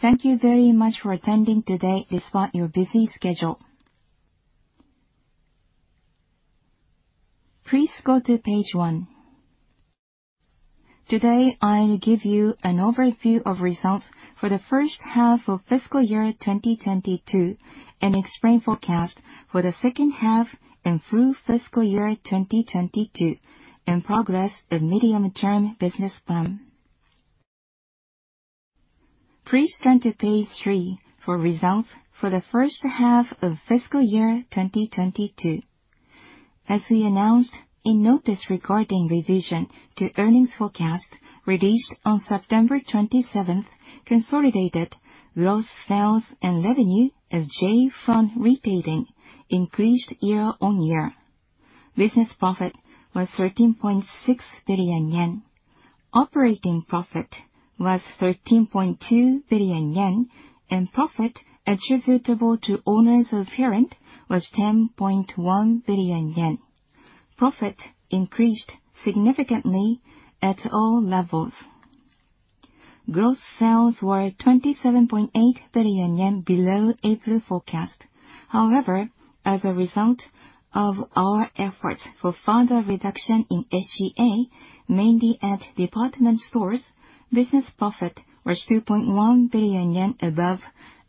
Thank you very much for attending today despite your busy schedule. Please go to page one. Today, I'll give you an overview of results for the first half of fiscal year 2022 and explain forecast for the second half and through fiscal year 2022, and progress of medium-term business plan. Please turn to page three for results for the first half of fiscal year 2022. As we announced in notice regarding revision to earnings forecast released on September 27th, consolidated gross sales and revenue of J. Front Retailing increased year-on-year. Business profit was 13.6 billion yen. Operating profit was 13.2 billion yen, and profit attributable to owners of parent was 10.1 billion yen. Profit increased significantly at all levels. Gross sales were 27.8 billion yen below April forecast. However, as a result of our efforts for further reduction in SGA, mainly at department stores, business profit was 2.1 billion yen above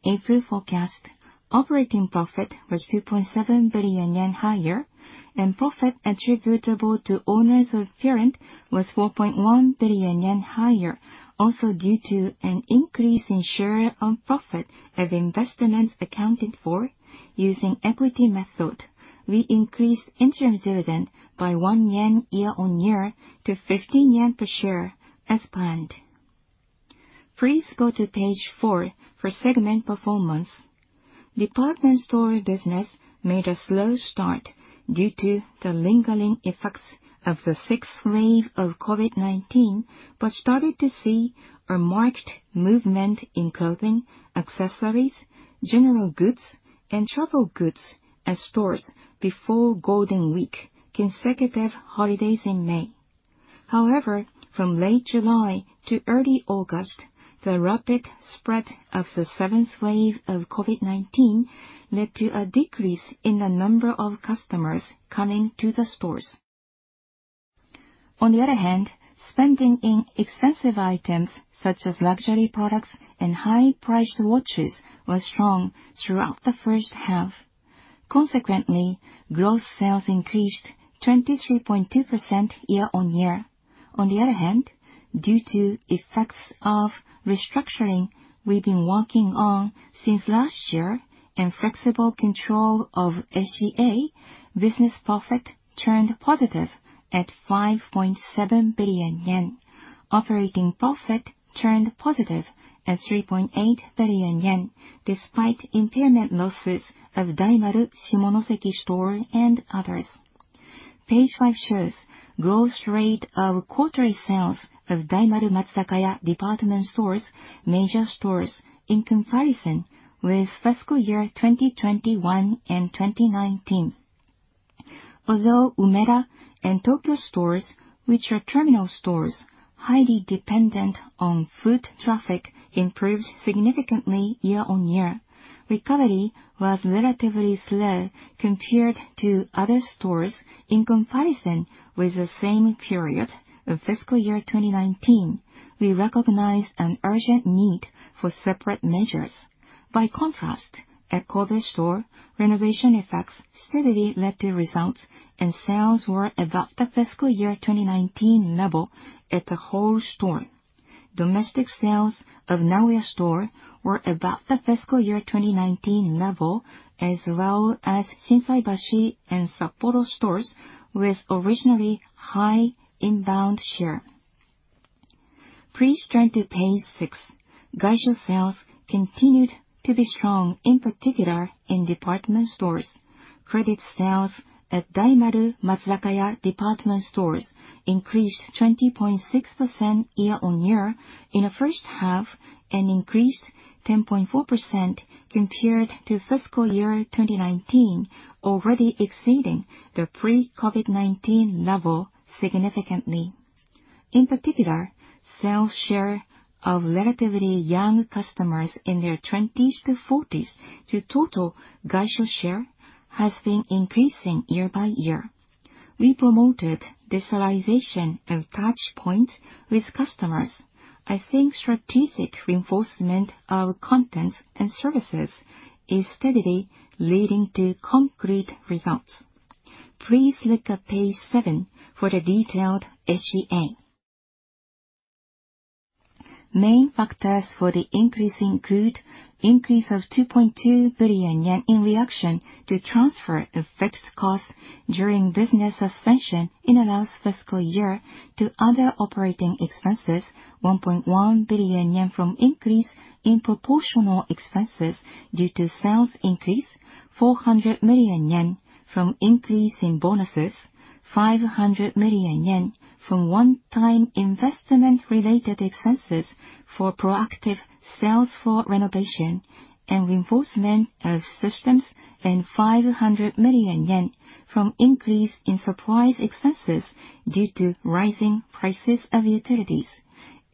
April forecast. Operating profit was 2.7 billion yen higher, and profit attributable to owners of parent was 4.1 billion yen higher. Also, due to an increase in share of profit of investments accounted for using equity method, we increased interim dividend by 1 yen year-on-year to 15 yen per share as planned. Please go to page four for segment performance. Department store business made a slow start due to the lingering effects of the sixth wave of COVID-19, but started to see a marked movement in clothing, accessories, general goods, and travel goods at stores before Golden Week, consecutive holidays in May. However, from late July to early August, the rapid spread of the seventh wave of COVID-19 led to a decrease in the number of customers coming to the stores. On the other hand, spending in expensive items such as luxury products and high-priced watches was strong throughout the first half. Consequently, gross sales increased 23.2% year-over-year. On the other hand, due to effects of restructuring we've been working on since last year and flexible control of SGA, business profit turned positive at 5.7 billion yen. Operating profit turned positive at 3.8 billion yen despite impairment losses of Daimaru Shimonoseki Store and others. Page five shows growth rate of quarterly sales of Daimaru Matsuzakaya department stores, major stores in comparison with fiscal year 2021 and 2019. Although Umeda and Tokyo stores, which are terminal stores highly dependent on foot traffic, improved significantly year-on-year, recovery was relatively slow compared to other stores in comparison with the same period of fiscal year 2019. We recognize an urgent need for separate measures. By contrast, at Kobe Store, renovation effects steadily led to results, and sales were about the fiscal year 2019 level at the whole store. Domestic sales of Nagoya Store were about the fiscal year 2019 level, as well as Shinsaibashi and Sapporo stores with originally high inbound share. Please turn to page six. Gaisho sales continued to be strong, in particular in department stores. Credit sales at Daimaru Matsuzakaya department stores increased 20.6% year-on-year in the first half and increased 10.4% compared to fiscal year 2019, already exceeding the pre-COVID-19 level significantly. In particular, sales share of relatively young customers in their twenties to forties to total gaisho share has been increasing year by year. We promoted digitalization of touch points with customers. I think strategic reinforcement of content and services is steadily leading to concrete results. Please look at page seven for the detailed SGA. Main factors for the increase include increase of 2.2 billion yen in reaction to transfer of fixed costs during business suspension in the last fiscal year to other operating expenses, 1.1 billion yen from increase in proportional expenses due to sales increase, 400 million yen from increase in bonuses, 500 million yen from one-time investment related expenses for proactive sales floor renovation and reinforcement of systems, and 500 million yen from increase in supplies expenses due to rising prices of utilities.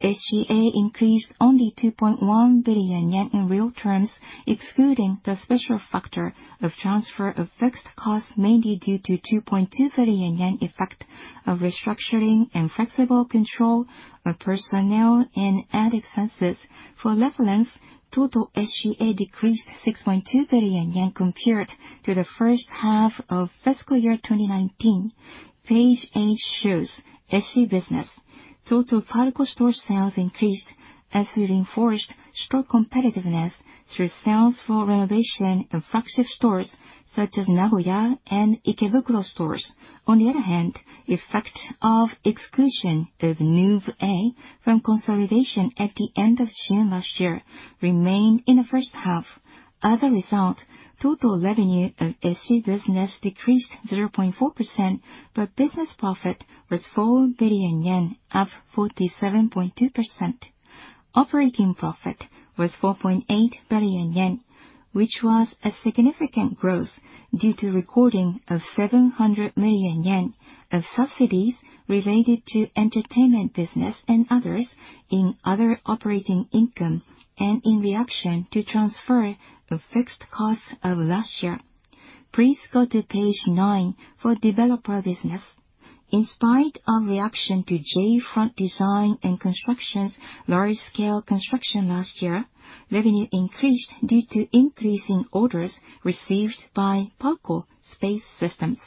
SGA increased only 2.1 billion yen in real terms, excluding the special factor of transfer of fixed costs, mainly due to 2.2 billion yen effect of restructuring and flexible control of personnel and ad expenses. For leverage, total SGA decreased 6.2 billion yen compared to the first half of fiscal year 2019. Page eight shows SC business. Total PARCO store sales increased as we reinforced store competitiveness through sales floor renovation of flagship stores such as Nagoya Store and Ikebukuro stores. On the other hand, effect of exclusion of NEUVE A from consolidation at the end of June last year remained in the first half. As a result, total revenue of SC business decreased 0.4%, but business profit was 4 billion yen, up 47.2%. Operating profit was 4.8 billion yen, which was a significant growth due to recording of 700 million yen of subsidies related to entertainment business and others in other operating income and in reaction to transfer of fixed costs of last year. Please go to page nine for developer business. In spite of reaction to J. Front Design & Construction's large-scale construction last year, revenue increased due to increase in orders received by PARCO SPACE SYSTEMS.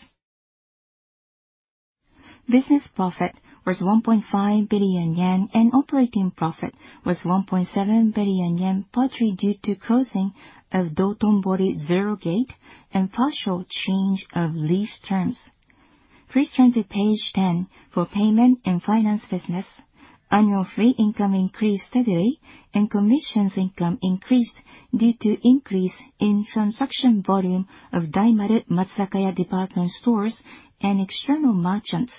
Business profit was 1.5 billion yen, and operating profit was 1.7 billion yen, partly due to closing of Dotonbori Zero Gate and partial change of lease terms. Please turn to page 10 for payment and finance business. Annual fee income increased steadily and commissions income increased due to increase in transaction volume of Daimaru Matsuzakaya department stores and external merchants.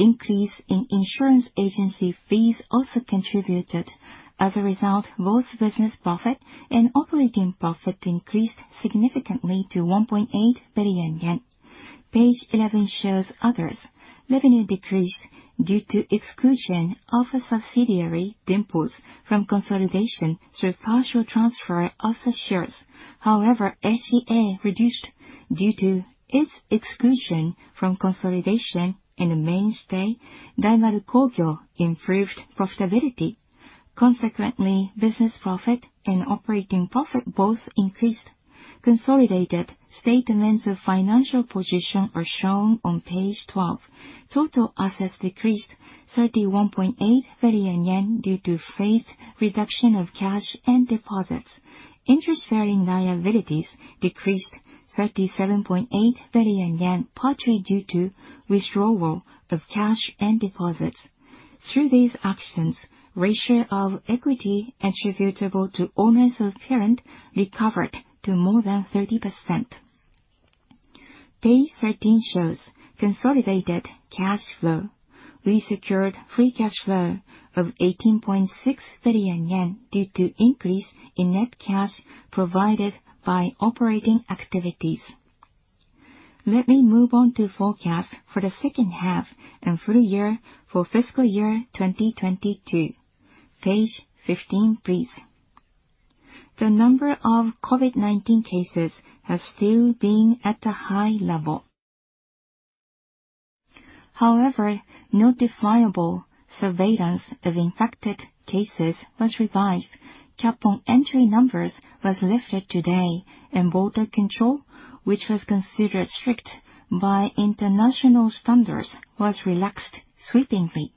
Increase in insurance agency fees also contributed. As a result, both business profit and operating profit increased significantly to 1.8 billion yen. Page 11 shows others. Revenue decreased due to exclusion of a subsidiary, Dimple, from consolidation through partial transfer of shares. However, SGA reduced due to its exclusion from consolidation, and a mainstay, Daimaru Kogyo, improved profitability. Consequently, business profit and operating profit both increased. Consolidated statements of financial position are shown on page 12. Total assets decreased 31.8 billion yen due to phased reduction of cash and deposits. Interest-bearing liabilities decreased 37.8 billion yen, partly due to withdrawal of cash and deposits. Through these actions, ratio of equity attributable to owners of parent recovered to more than 30%. Page 13 shows consolidated cash flow. We secured free cash flow of 18.6 billion yen due to increase in net cash provided by operating activities. Let me move on to forecast for the second half and full year for fiscal year 2022. Page 15, please. The number of COVID-19 cases have still been at a high level. However, notifiable surveillance of infected cases was revised. Cap on entry numbers was lifted today, and border control, which was considered strict by international standards, was relaxed sweepingly.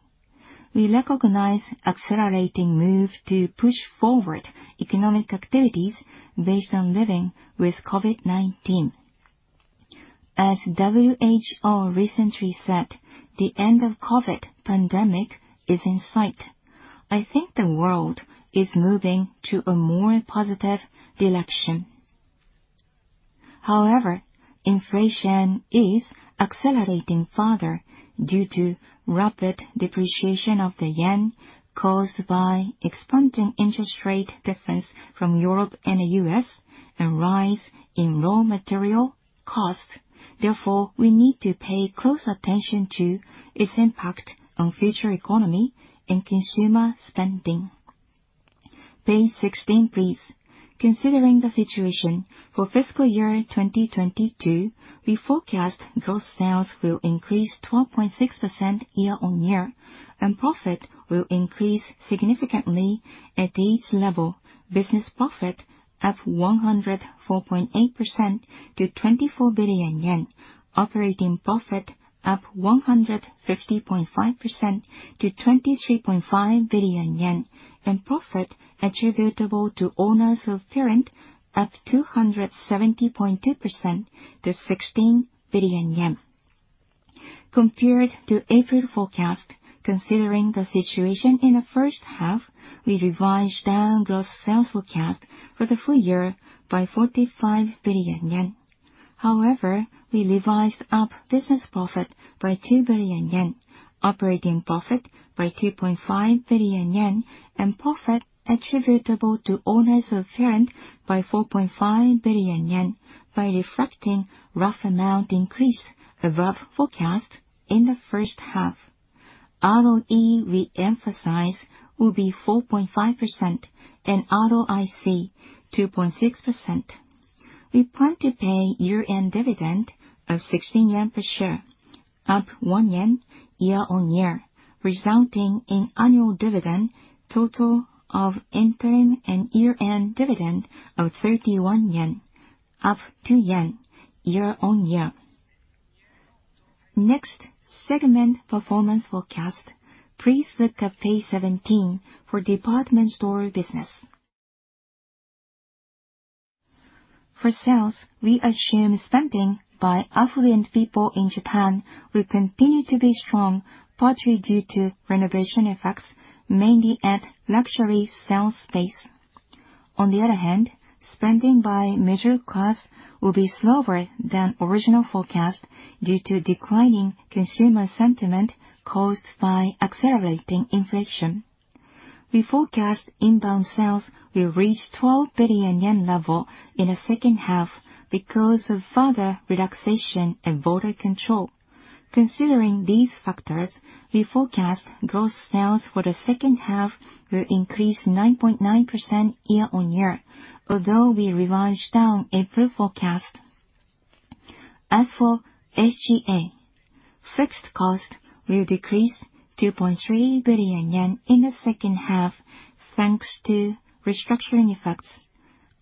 We recognize accelerating move to push forward economic activities based on living with COVID-19. As WHO recently said, the end of COVID pandemic is in sight. I think the world is moving to a more positive direction. However, inflation is accelerating further due to rapid depreciation of the yen caused by expanding interest rate difference from Europe and the U.S., and rise in raw material costs. Therefore, we need to pay close attention to its impact on future economy and consumer spending. Page 16, please. Considering the situation for fiscal year 2022, we forecast gross sales will increase 12.6% year-on-year, and profit will increase significantly at each level. Business profit up 104.8% to 24 billion yen. Operating profit up 150.5% to 23.5 billion yen. Profit attributable to owners of parent up 270.2% to 16 billion yen. Compared to April forecast, considering the situation in the first half, we revised down gross sales forecast for the full year by 45 billion yen. However, we revised up business profit by 2 billion yen, operating profit by 2.5 billion yen, and profit attributable to owners of parent by 4.5 billion yen by reflecting rough amount increase above forecast in the first half. ROE, we emphasize, will be 4.5% and ROIC 2.6%. We plan to pay year-end dividend of 16 yen per share, up 1 yen year-on-year, resulting in annual dividend total of interim and year-end dividend of 31 yen, up 2 yen year-on-year. Next, segment performance forecast. Please look at page 17 for department store business. For sales, we assume spending by affluent people in Japan will continue to be strong, partly due to renovation effects, mainly at luxury sales space. On the other hand, spending by middle class will be slower than original forecast due to declining consumer sentiment caused by accelerating inflation. We forecast inbound sales will reach 12 billion yen level in the second half because of further relaxation of border control. Considering these factors, we forecast gross sales for the second half will increase 9.9% year-on-year, although we revised down April forecast. As for SGA, fixed cost will decrease 2.3 billion yen in the second half, thanks to restructuring effects.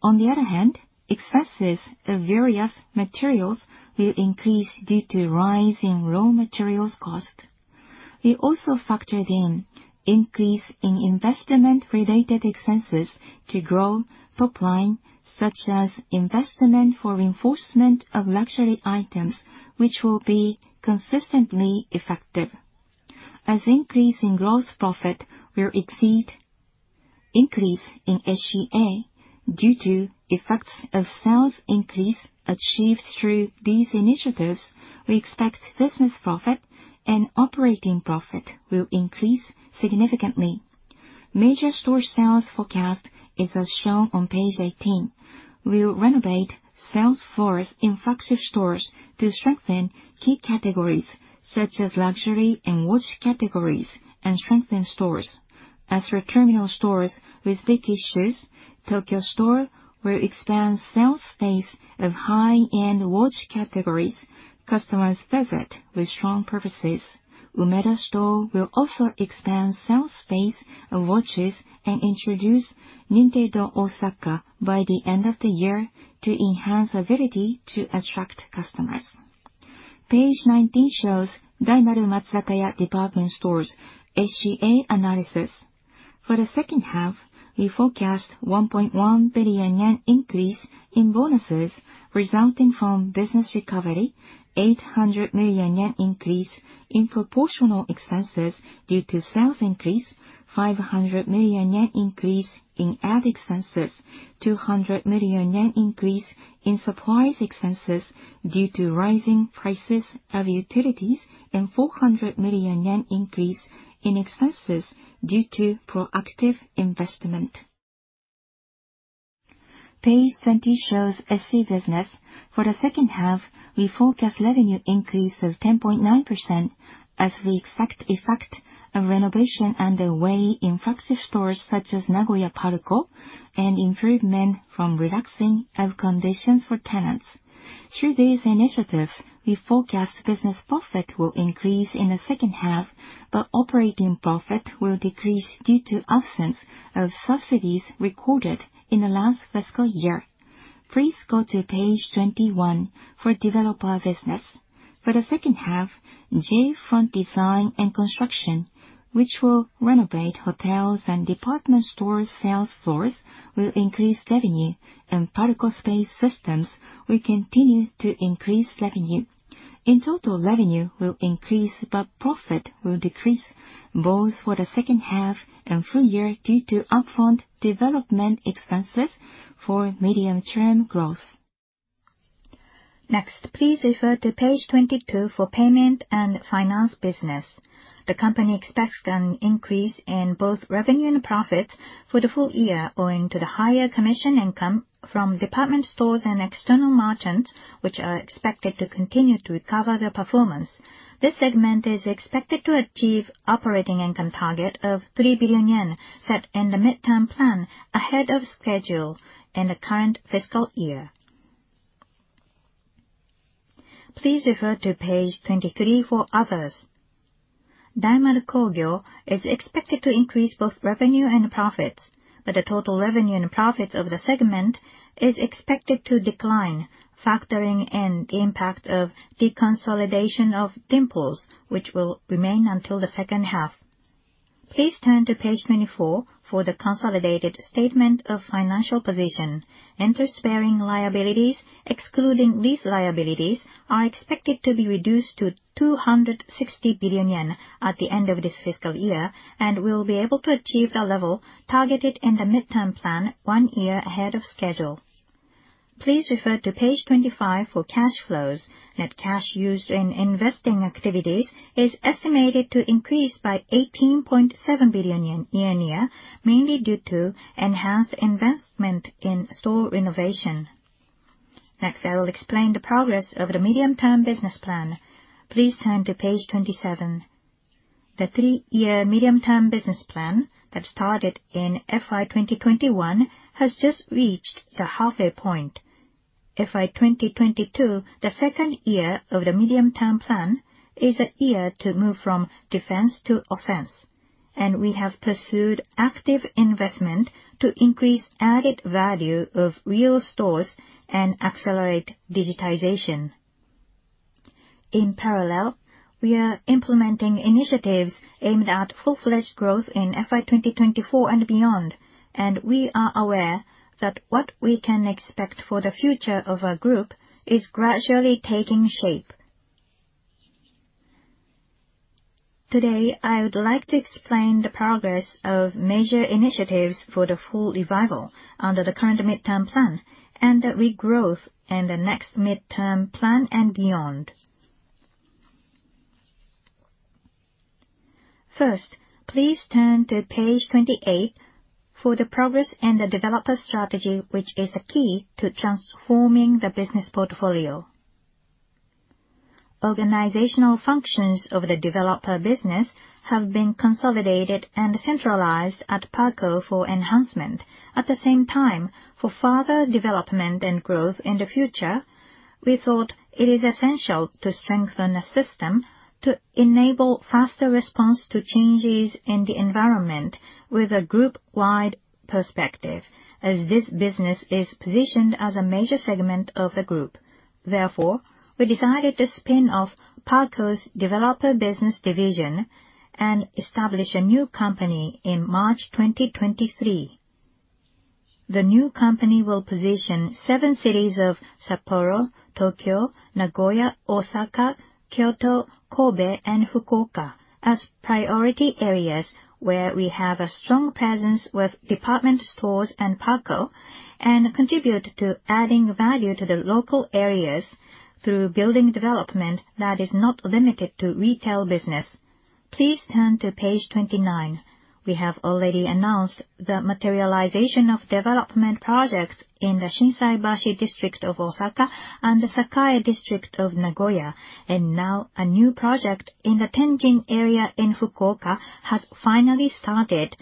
On the other hand, expenses of various materials will increase due to rise in raw materials cost. We also factored in increase in investment related expenses to grow top line, such as investment for reinforcement of luxury items, which will be consistently effective. As increase in gross profit will exceed increase in SGA due to effects of sales increase achieved through these initiatives, we expect business profit and operating profit will increase significantly. Major store sales forecast is as shown on page 18. We will renovate sales floors in flagship stores to strengthen key categories such as luxury and watch categories and strengthen stores. As for terminal stores with big issues, Tokyo store will expand sales space of high-end watch categories customers visit with strong purposes. Umeda store will also expand sales space of watches and introduce Nintendo OSAKA by the end of the year to enhance ability to attract customers. Page 19 shows Daimaru Matsuzakaya Department Stores SGA analysis. For the second half, we forecast 1.1 billion yen increase in bonuses resulting from business recovery, 800 million yen increase in proportional expenses due to sales increase, 500 million yen increase in ad expenses, 200 million yen increase in supplies expenses due to rising prices of utilities, and 400 million yen increase in expenses due to proactive investment. Page 20 shows SC business. For the second half, we forecast revenue increase of 10.9% as the exact effect of renovation underway in flagship stores such as Nagoya PARCO and improvement from relaxing of conditions for tenants. Through these initiatives, we forecast business profit will increase in the second half, but operating profit will decrease due to absence of subsidies recorded in the last fiscal year. Please go to page 21 for developer business. For the second half, J. Front Design & Construction, which will renovate hotels and department store sales floors, will increase revenue and PARCO SPACE SYSTEMS will continue to increase revenue. In total, revenue will increase, but profit will decrease both for the second half and full year due to upfront development expenses for medium-term growth. Next, please refer to page 22 for payment and finance business. The company expects an increase in both revenue and profit for the full year owing to the higher commission income from department stores and external merchants, which are expected to continue to recover their performance. This segment is expected to achieve operating income target of 3 billion yen set in the medium-term plan ahead of schedule in the current fiscal year. Please refer to page 23 for others. Daimaru Kogyo is expected to increase both revenue and profits, but the total revenue and profits of the segment is expected to decline, factoring in the impact of deconsolidation of Dimple, which will remain until the second half. Please turn to page 24 for the consolidated statement of financial position. Interest-bearing liabilities, excluding lease liabilities, are expected to be reduced to 260 billion yen at the end of this fiscal year and will be able to achieve the level targeted in the midterm plan one year ahead of schedule. Please refer to page 25 for cash flows. Net cash used in investing activities is estimated to increase by 18.7 billion yen year-on-year, mainly due to enhanced investment in store renovation. Next, I will explain the progress of the medium-term business plan. Please turn to page 27. The three-year medium-term business plan that started in FY 2021 has just reached the halfway point. FY 2022, the second year of the medium-term plan, is a year to move from defense to offense, and we have pursued active investment to increase added value of real stores and accelerate digitization. In parallel, we are implementing initiatives aimed at full-fledged growth in FY 2024 and beyond, and we are aware that what we can expect for the future of our group is gradually taking shape. Today, I would like to explain the progress of major initiatives for the full revival under the current midterm plan and the regrowth in the next midterm plan and beyond. First, please turn to page 28 for the progress and the developer strategy, which is a key to transforming the business portfolio. Organizational functions of the developer business have been consolidated and centralized at PARCO for enhancement. At the same time, for further development and growth in the future, we thought it is essential to strengthen the system to enable faster response to changes in the environment with a group-wide perspective, as this business is positioned as a major segment of the group. Therefore, we decided to spin off PARCO's developer business division and establish a new company in March 2023. The new company will position seven cities of Sapporo, Tokyo, Nagoya, Osaka, Kyoto, Kobe, and Fukuoka as priority areas where we have a strong presence with department stores and PARCO, and contribute to adding value to the local areas through building development that is not limited to retail business. Please turn to page 29. We have already announced the materialization of development projects in the Shinsaibashi district of Osaka and the Sakae District of Nagoya. Now a new project in the Tenjin area in Fukuoka has finally started,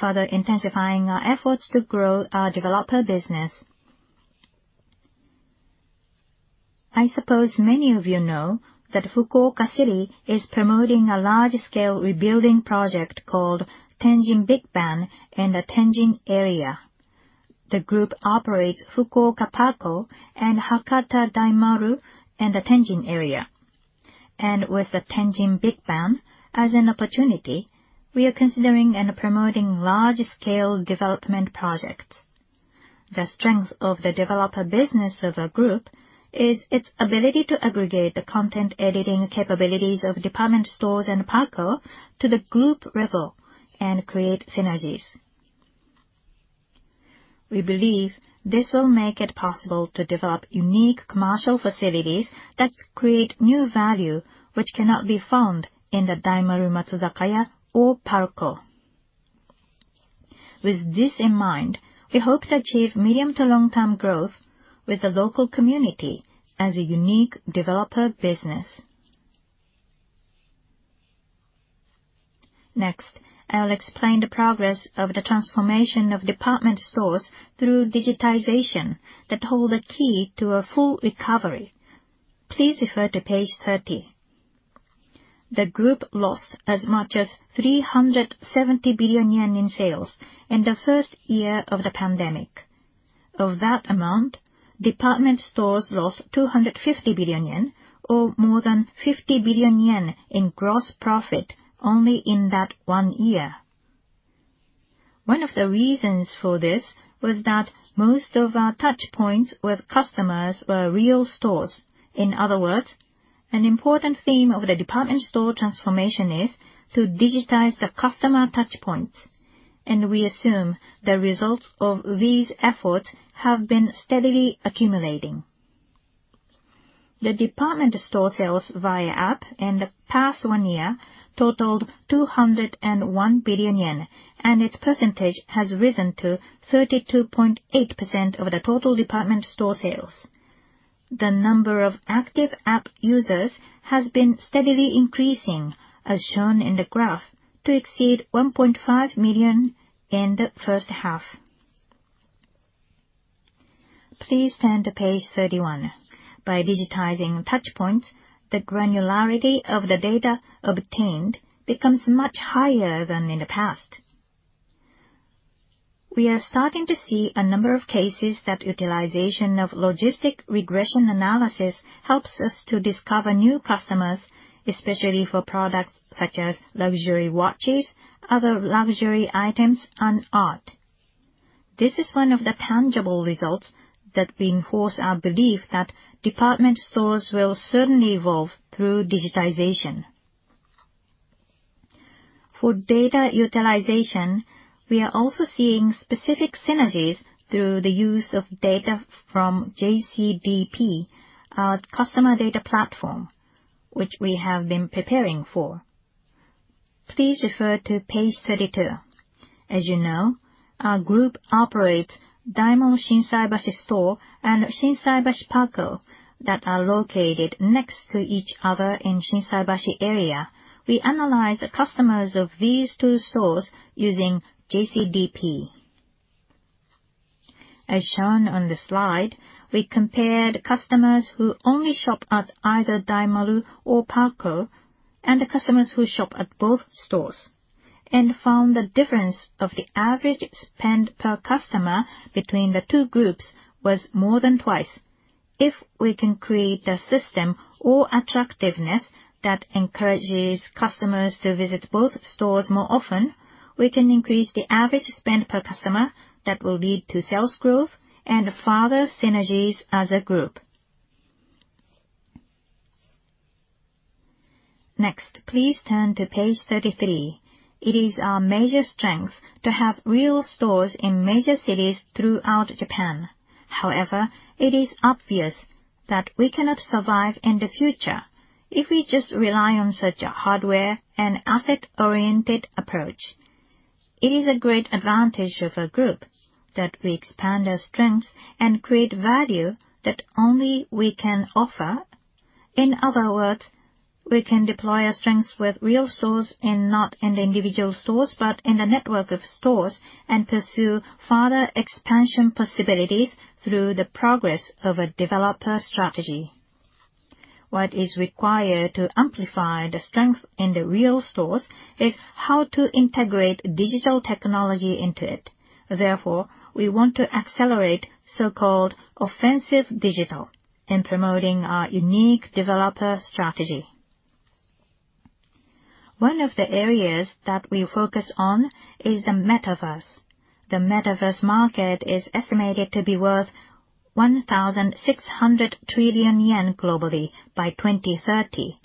further intensifying our efforts to grow our developer business. I suppose many of you know that Fukuoka City is promoting a large-scale rebuilding project called Tenjin Big Bang in the Tenjin area. The group operates Fukuoka PARCO and Hakata Daimaru in the Tenjin area. With the Tenjin Big Bang as an opportunity, we are considering and promoting large-scale development projects. The strength of the developer business of a group is its ability to aggregate the content editing capabilities of department stores and PARCO to the group level and create synergies. We believe this will make it possible to develop unique commercial facilities that create new value, which cannot be found in the Daimaru Matsuzakaya or PARCO. With this in mind, we hope to achieve medium to long-term growth with the local community as a unique developer business. Next, I'll explain the progress of the transformation of department stores through digitization that hold the key to a full recovery. Please refer to page 30. The group lost as much as 370 billion yen in sales in the first year of the pandemic. Of that amount, department stores lost 250 billion yen, or more than 50 billion yen in gross profit only in that one year. One of the reasons for this was that most of our touchpoints with customers were real stores. In other words, an important theme of the department store transformation is to digitize the customer touchpoints, and we assume the results of these efforts have been steadily accumulating. The department store sales via app in the past one year totaled 201 billion yen, and its percentage has risen to 32.8% of the total department store sales. The number of active app users has been steadily increasing, as shown in the graph, to exceed 1.5 million in the first half. Please turn to page 31. By digitizing touchpoints, the granularity of the data obtained becomes much higher than in the past. We are starting to see a number of cases that utilization of logistic regression analysis helps us to discover new customers, especially for products such as luxury watches, other luxury items, and art. This is one of the tangible results that reinforce our belief that department stores will certainly evolve through digitization. For data utilization, we are also seeing specific synergies through the use of data from JCDP, our customer data platform, which we have been preparing for. Please refer to page 32. As you know, our group operates Daimaru Shinsaibashi store and Shinsaibashi PARCO that are located next to each other in Shinsaibashi area. We analyze the customers of these two stores using JCDP. As shown on the slide, we compared customers who only shop at either Daimaru or PARCO and the customers who shop at both stores and found the difference of the average spend per customer between the two groups was more than twice. If we can create a system or attractiveness that encourages customers to visit both stores more often, we can increase the average spend per customer that will lead to sales growth and further synergies as a group. Next, please turn to page 33. It is our major strength to have real stores in major cities throughout Japan. However, it is obvious that we cannot survive in the future if we just rely on such a hardware and asset-oriented approach. It is a great advantage of our group that we expand our strength and create value that only we can offer. In other words, we can deploy our strengths with real stores and not in the individual stores, but in the network of stores, and pursue further expansion possibilities through the progress of a developer strategy. What is required to amplify the strength in the real stores is how to integrate digital technology into it. Therefore, we want to accelerate so-called offensive digital in promoting our unique developer strategy. One of the areas that we focus on is the metaverse. The metaverse market is estimated to be worth 1,600 trillion yen globally by 2030.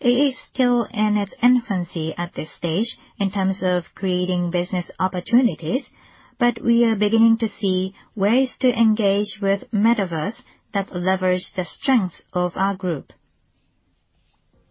It is still in its infancy at this stage in terms of creating business opportunities, but we are beginning to see ways to engage with metaverse that leverage the strengths of our group.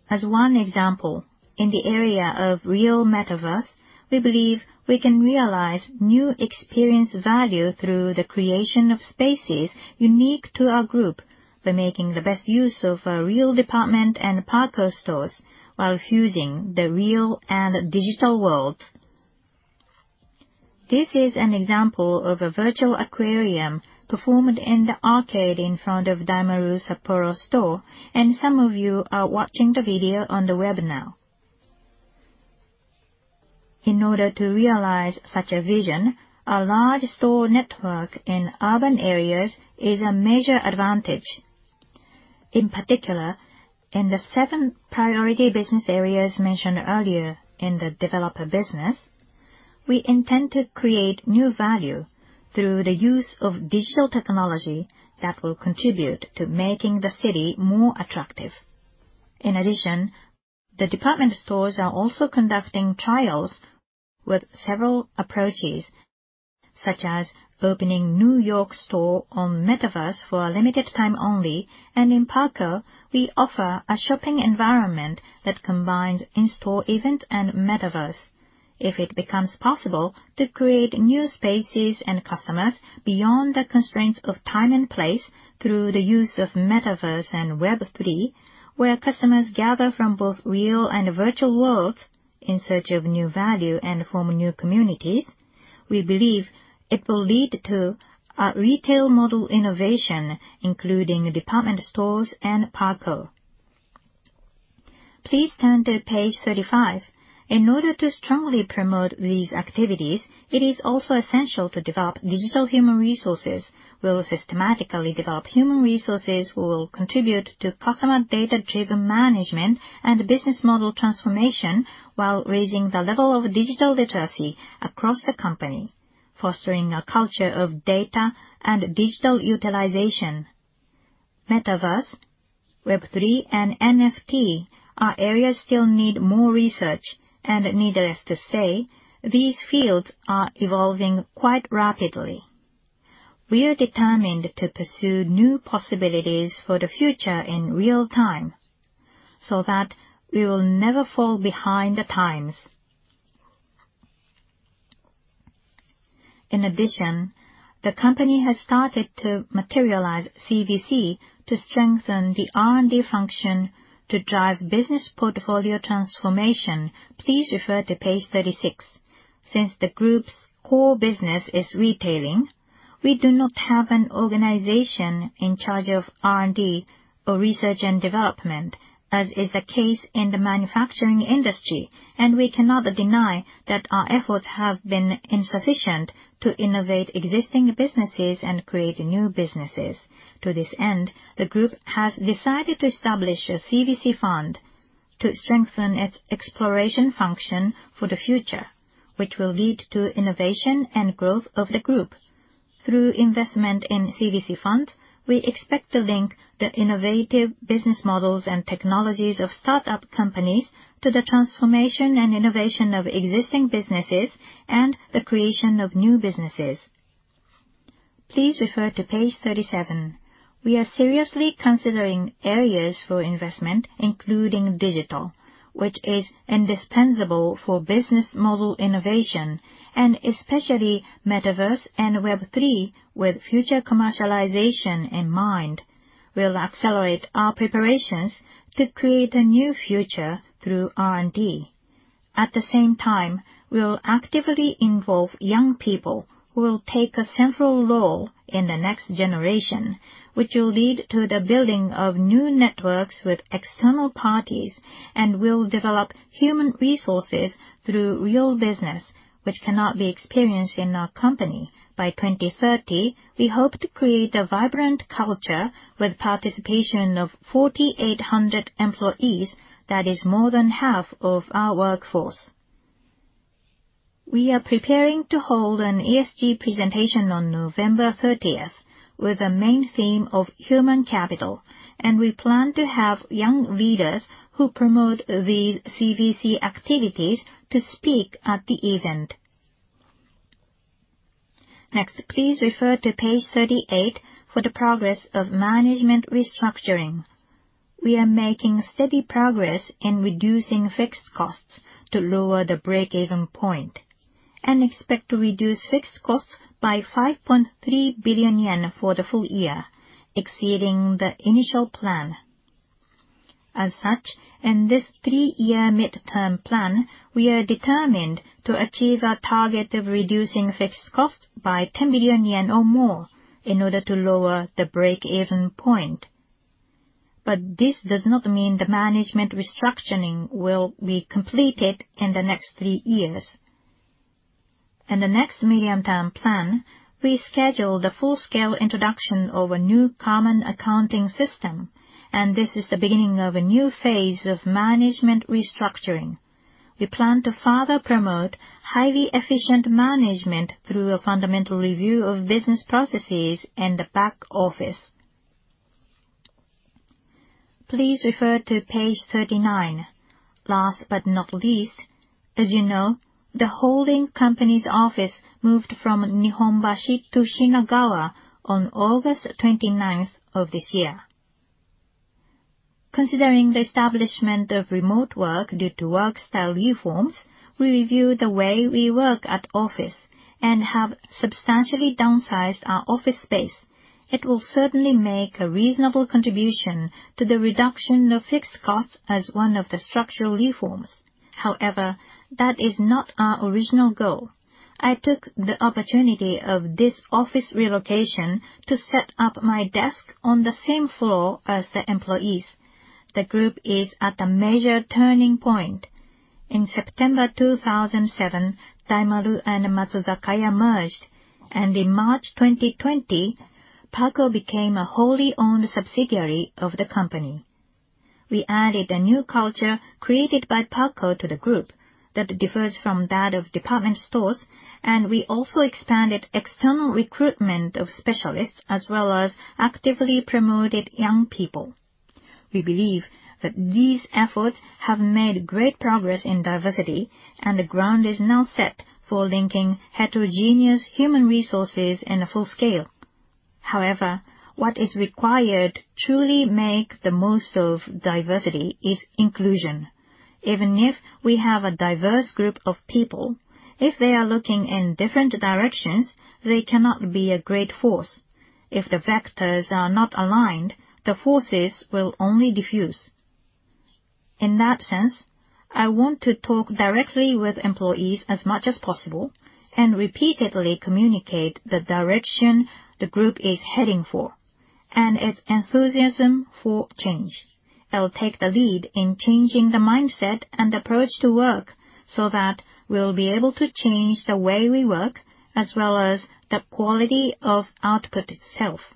As one example, in the area of real metaverse, we believe we can realize new experience value through the creation of spaces unique to our group by making the best use of our real department and PARCO stores while fusing the real and digital worlds. This is an example of a virtual aquarium performed in the arcade in front of Daimaru Sapporo store, and some of you are watching the video on the web now. In order to realize such a vision, our large store network in urban areas is a major advantage. In particular, in the seven priority business areas mentioned earlier in the developer business, we intend to create new value through the use of digital technology that will contribute to making the city more attractive. In addition, the department stores are also conducting trials with several approaches, such as opening New York store on metaverse for a limited time only. In PARCO, we offer a shopping environment that combines in-store event and metaverse. If it becomes possible to create new spaces and customers beyond the constraints of time and place through the use of metaverse and Web3, where customers gather from both real and virtual worlds in search of new value and form new communities, we believe it will lead to a retail model innovation, including department stores and PARCO. Please turn to page 35. In order to strongly promote these activities, it is also essential to develop digital human resources. We will systematically develop human resources who will contribute to customer data-driven management and business model transformation while raising the level of digital literacy across the company, fostering a culture of data and digital utilization. metaverse, Web3, and NFT are areas still need more research, and needless to say, these fields are evolving quite rapidly. We are determined to pursue new possibilities for the future in real-time so that we will never fall behind the times. In addition, the company has started to materialize CVC to strengthen the R&D function to drive business portfolio transformation. Please refer to page 36. Since the group's core business is retailing, we do not have an organization in charge of R&D or research and development, as is the case in the manufacturing industry, and we cannot deny that our efforts have been insufficient to innovate existing businesses and create new businesses. To this end, the group has decided to establish a CVC fund to strengthen its exploration function for the future, which will lead to innovation and growth of the group. Through investment in CVC fund, we expect to link the innovative business models and technologies of start-up companies to the transformation and innovation of existing businesses and the creation of new businesses. Please refer to page 37. We are seriously considering areas for investment, including digital, which is indispensable for business model innovation, and especially metaverse and Web3 with future commercialization in mind. We'll accelerate our preparations to create a new future through R&D. At the same time, we'll actively involve young people who will take a central role in the next generation, which will lead to the building of new networks with external parties, and will develop human resources through real business which cannot be experienced in our company. By 2030, we hope to create a vibrant culture with participation of 4,800 employees. That is more than half of our workforce. We are preparing to hold an ESG presentation on November 30th with a main theme of human capital, and we plan to have young leaders who promote these CVC activities to speak at the event. Next, please refer to page 38 for the progress of management restructuring. We are making steady progress in reducing fixed costs to lower the break-even point, and expect to reduce fixed costs by 5.3 billion yen for the full year, exceeding the initial plan. As such, in this three-year midterm plan, we are determined to achieve our target of reducing fixed costs by 10 billion yen or more in order to lower the break-even point. This does not mean the management restructuring will be completed in the next three years. In the next medium-term plan, we schedule the full-scale introduction of a new common accounting system, and this is the beginning of a new phase of management restructuring. We plan to further promote highly efficient management through a fundamental review of business processes in the back office. Please refer to page 39. Last but not least, as you know, the holding company's office moved from Nihonbashi to Shinagawa on August 29th of this year. Considering the establishment of remote work due to work style reforms, we review the way we work at office and have substantially downsized our office space. It will certainly make a reasonable contribution to the reduction of fixed costs as one of the structural reforms. However, that is not our original goal. I took the opportunity of this office relocation to set up my desk on the same floor as the employees. The group is at a major turning point. In September 2007, Daimaru and Matsuzakaya merged, and in March 2020, PARCO became a wholly-owned subsidiary of the company. We added a new culture created by PARCO to the group that differs from that of department stores, and we also expanded external recruitment of specialists as well as actively promoted young people. We believe that these efforts have made great progress in diversity, and the ground is now set for linking heterogeneous human resources in a full scale. However, what is required to truly make the most of diversity is inclusion. Even if we have a diverse group of people, if they are looking in different directions, they cannot be a great force. If the vectors are not aligned, the forces will only diffuse. In that sense, I want to talk directly with employees as much as possible and repeatedly communicate the direction the group is heading for and its enthusiasm for change. I'll take the lead in changing the mindset and approach to work so that we'll be able to change the way we work as well as the quality of output itself.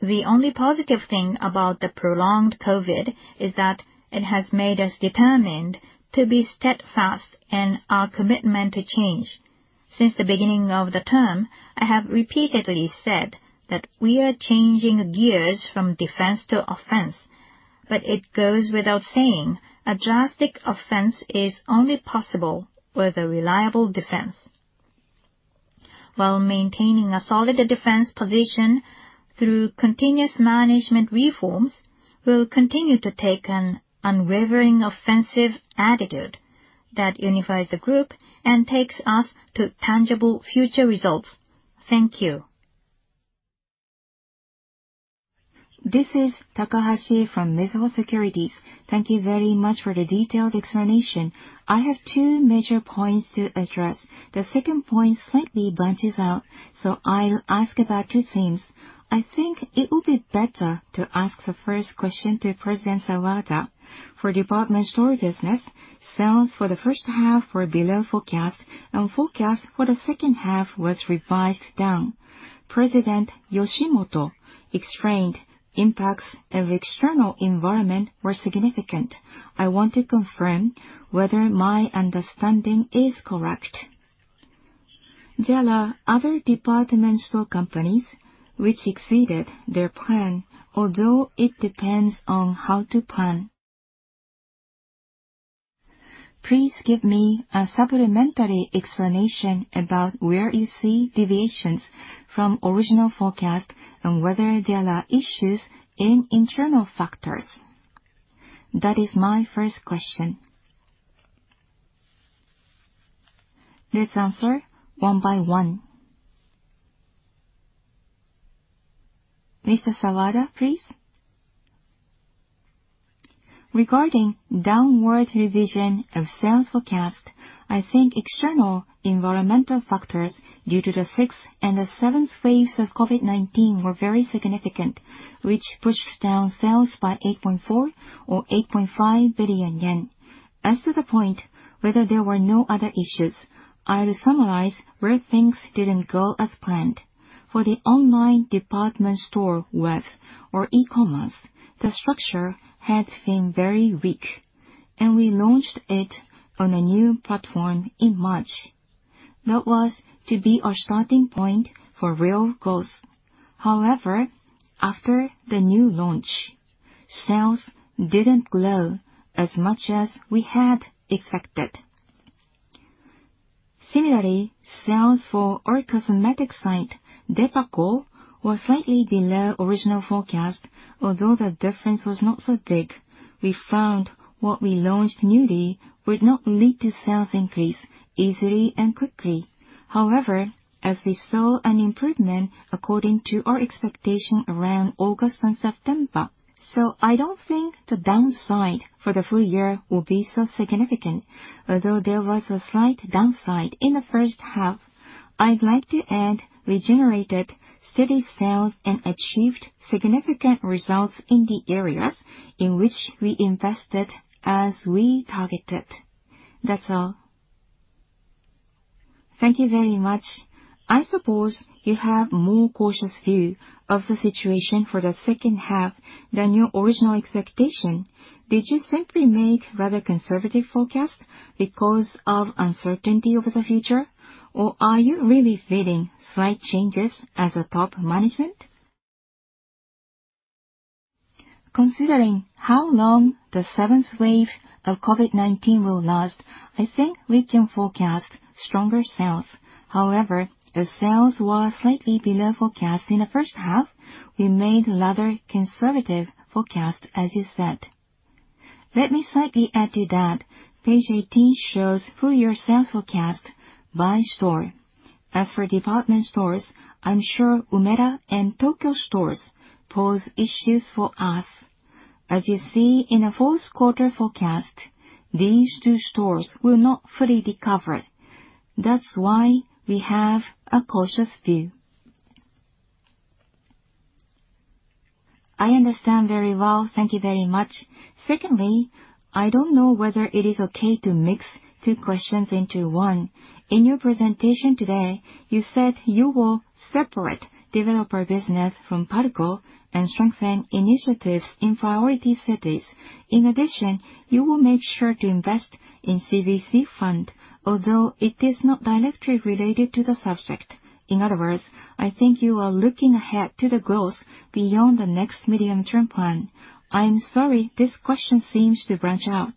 The only positive thing about the prolonged COVID is that it has made us determined to be steadfast in our commitment to change. Since the beginning of the term, I have repeatedly said that we are changing gears from defense to offense, but it goes without saying, a drastic offense is only possible with a reliable defense. While maintaining a solid defense position through continuous management reforms, we'll continue to take an unwavering offensive attitude that unifies the group and takes us to tangible future results. Thank you. This is Takahashi from Mizuho Securities. Thank you very much for the detailed explanation. I have two major points to address. The second point slightly branches out, so I'll ask about two things. I think it would be better to ask the first question to President Sawada. For department store business, sales for the first half were below forecast, and forecast for the second half was revised down. President Yoshimoto explained impacts of external environment were significant. I want to confirm whether my understanding is correct. There are other department store companies which exceeded their plan, although it depends on how to plan. Please give me a supplementary explanation about where you see deviations from original forecast and whether there are issues in internal factors. That is my first question? Let's answer one by one. Mr. Sawada, please. Regarding downward revision of sales forecast, I think external environmental factors due to the sixth and the seventh waves of COVID-19 were very significant, which pushed down sales by 8.4 billion or 8.5 billion yen. As to the point whether there were no other issues, I'll summarize where things didn't go as planned. For the online department store web or e-commerce, the structure had been very weak, and we launched it on a new platform in March. That was to be our starting point for real growth. However, after the new launch, sales didn't grow as much as we had expected. Similarly, sales for [inaudible] site, DEPACO, were slightly below original forecast, although the difference was not so big. We found what we launched newly would not lead to sales increase easily and quickly. However, as we saw an improvement according to our expectation around August and September, so I don't think the downside for the full year will be so significant. Although there was a slight downside in the first half, I'd like to add we generated steady sales and achieved significant results in the areas in which we invested as we targeted. That's all. Thank you very much. I suppose you have more cautious view of the situation for the second half than your original expectation. Did you simply make rather conservative forecasts because of uncertainty over the future, or are you really feeling slight changes as a top management? Considering how long the seventh wave of COVID-19 will last, I think we can forecast stronger sales. However, the sales were slightly below forecast in the first half. We made rather conservative forecast, as you said. Let me slightly add to that. Page 18 shows full year sales forecast by store. As for department stores, I'm sure Umeda and Tokyo stores pose issues for us. As you see in the fourth quarter forecast, these two stores will not fully recover. That's why we have a cautious view. I understand very well. Thank you very much. Secondly, I don't know whether it is okay to mix two questions into one. In your presentation today, you said you will separate developer business from PARCO and strengthen initiatives in priority cities. In addition, you will make sure to invest in CVC fund, although it is not directly related to the subject. In other words, I think you are looking ahead to the growth beyond the next medium-term plan. I am sorry this question seems to branch out.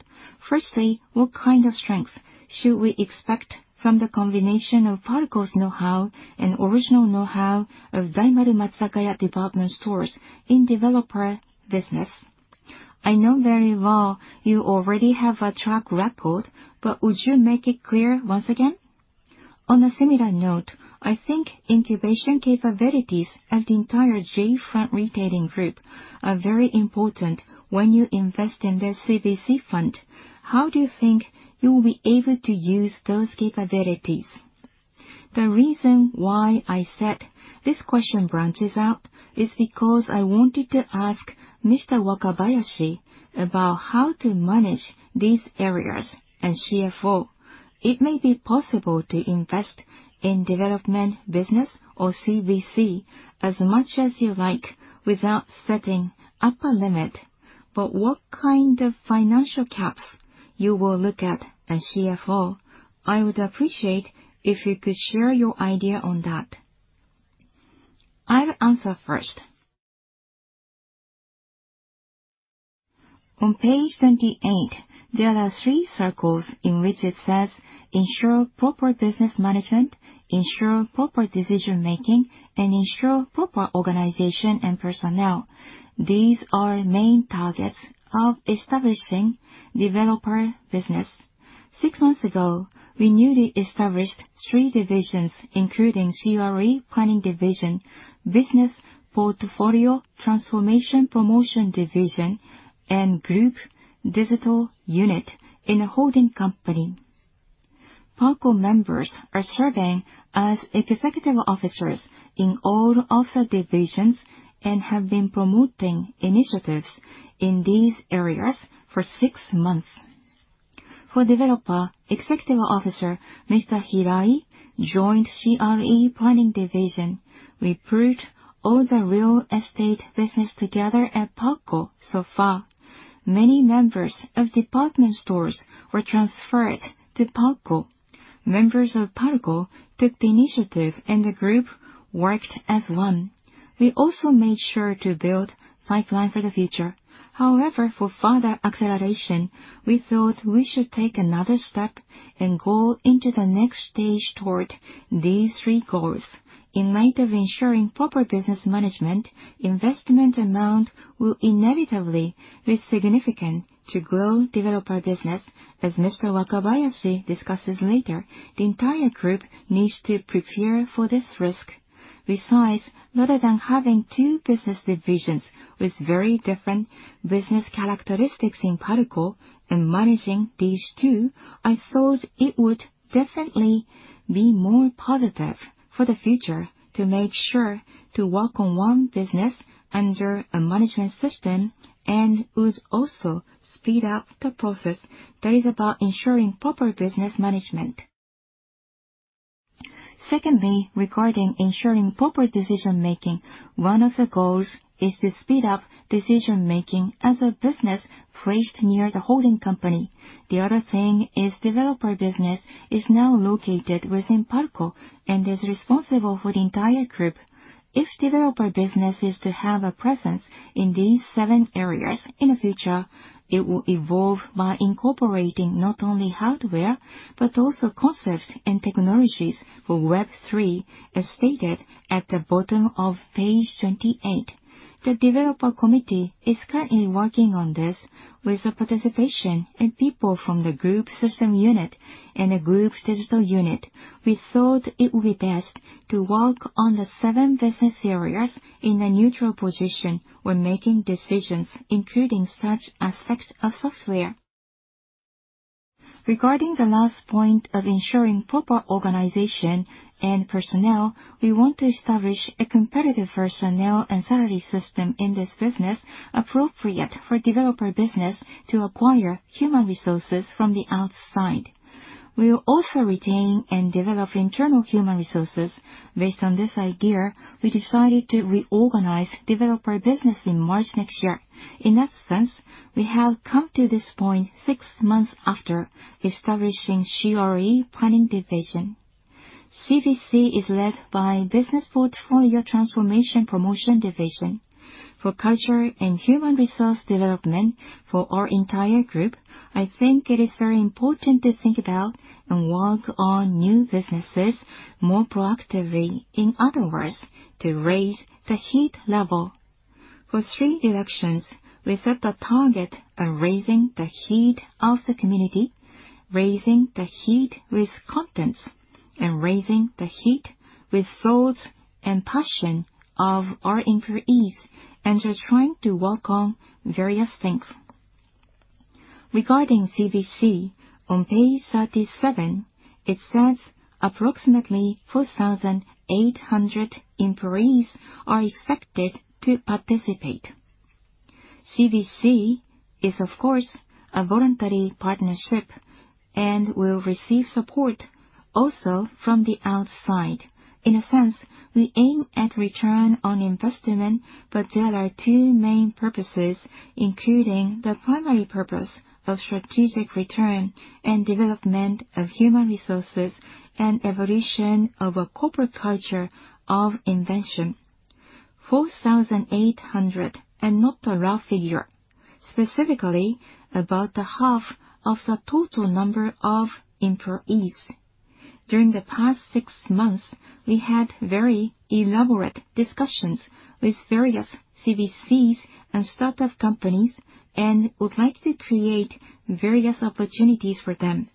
Firstly, what kind of strengths should we expect from the combination of PARCO's know-how and original know-how of Daimaru Matsuzakaya Department Stores in developer business? I know very well you already have a track record, but would you make it clear once again? On a similar note, I think incubation capabilities of the entire J. Front Retailing Group are very important when you invest in the CVC fund. How do you think you will be able to use those capabilities? The reason why I said this question branches out is because I wanted to ask Mr. Wakabayashi about how to manage these areas as CFO. It may be possible to invest in development business or CVC as much as you like without setting upper limit. But what kind of financial caps you will look at as CFO? I would appreciate if you could share your idea on that. I'll answer first. On page 28, there are three circles in which it says ensure proper business management, ensure proper decision-making, and ensure proper organization and personnel. These are main targets of establishing developer business. six months ago, we newly established three divisions, including CRE Planning Division, Business Portfolio Transformation Promotion Division, and Group Digital Unit in a holding company. PARCO members are serving as executive officers in all of the divisions and have been promoting initiatives in these areas for six months. For developer, Executive Officer Mr. Hirai joined CRE Planning Division. We brought all the real estate business together at PARCO so far. Many members of department stores were transferred to PARCO. Members of PARCO took the initiative, and the group worked as one. We also made sure to build pipeline for the future. However, for further acceleration, we thought we should take another step and go into the next stage toward these three goals. In light of ensuring proper business management, investment amount will inevitably be significant to grow developer business. As Mr. Wakabayashi discusses later, the entire group needs to prepare for this risk. Besides, rather than having two business divisions with very different business characteristics in PARCO and managing these two, I thought it would definitely be more positive for the future to make sure to work on one business under a management system, and would also speed up the process that is about ensuring proper business management. Secondly, regarding ensuring proper decision-making, one of the goals is to speed up decision-making as a business placed near the holding company. The other thing is developer business is now located within PARCO and is responsible for the entire group. If developer business is to have a presence in these seven areas in the future, it will evolve by incorporating not only hardware, but also concepts and technologies for Web3, as stated at the bottom of page 28. The developer committee is currently working on this with the participation and people from the group system unit and the Group Digital Unit. We thought it would be best to work on the seven business areas in a neutral position when making decisions, including such aspects of software. Regarding the last point of ensuring proper organization and personnel, we want to establish a competitive personnel and salary system in this business appropriate for developer business to acquire human resources from the outside. We will also retain and develop internal human resources. Based on this idea, we decided to reorganize developer business in March next year. In that sense, we have come to this point six months after establishing CRE Planning Division. CVC is led by Business Portfolio Transformation Promotion Division. For culture and human resource development for our entire group, I think it is very important to think about and work on new businesses more proactively. In other words, to raise the heat level. For three directions, we set a target of raising the heat of the community, raising the heat with contents, and raising the heat with thoughts and passion of our employees, and just trying to work on various things. Regarding CVC, on page 37, it says approximately 4,800 employees are expected to participate. CVC is, of course, a voluntary partnership and will receive support also from the outside. In a sense, we aim at return on investment, but there are two main purposes, including the primary purpose of strategic return and development of human resources and evolution of a corporate culture of invention. 4,800, and not a rough figure. Specifically, about half of the total number of employees. During the past six months, we had very elaborate discussions with various CVCs and startup companies and would like to create various opportunities for them.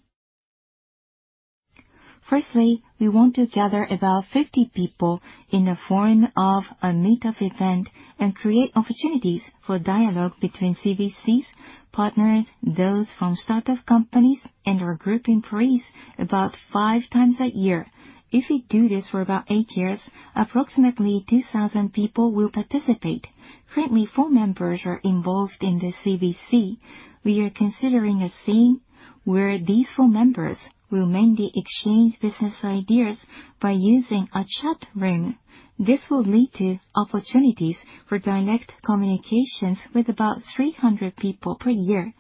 Firstly, we want to gather about 50 people in the form of a meetup event and create opportunities for dialogue between CVCs, partners, those from startup companies and our group employees about five times a year. If we do this for about eight years, approximately 2,000 people will participate. Currently, four members are involved in the CVC. We are considering a scene where these four members will mainly exchange business ideas by using a chat room. This will lead to opportunities for direct communications with about 300 people per year.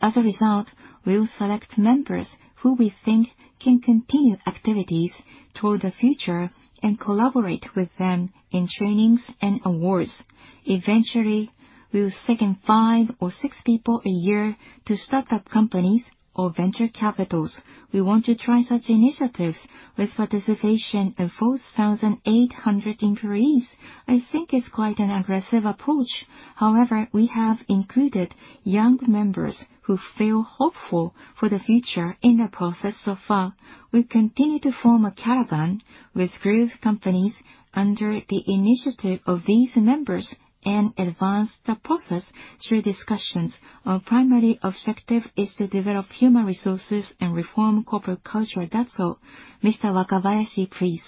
As a result, we will select members who we think can continue activities toward the future and collaborate with them in trainings and awards. Eventually, we will second five or six people a year to startup companies or venture capitals. We want to try such initiatives with participation of 4,800 employees. I think it's quite an aggressive approach. However, we have included young members who feel hopeful for the future in the process so far. We continue to form a caravan with group companies under the initiative of these members and advance the process through discussions. Our primary objective is to develop human resources and reform corporate culture. That's all. Mr. Wakabayashi, please.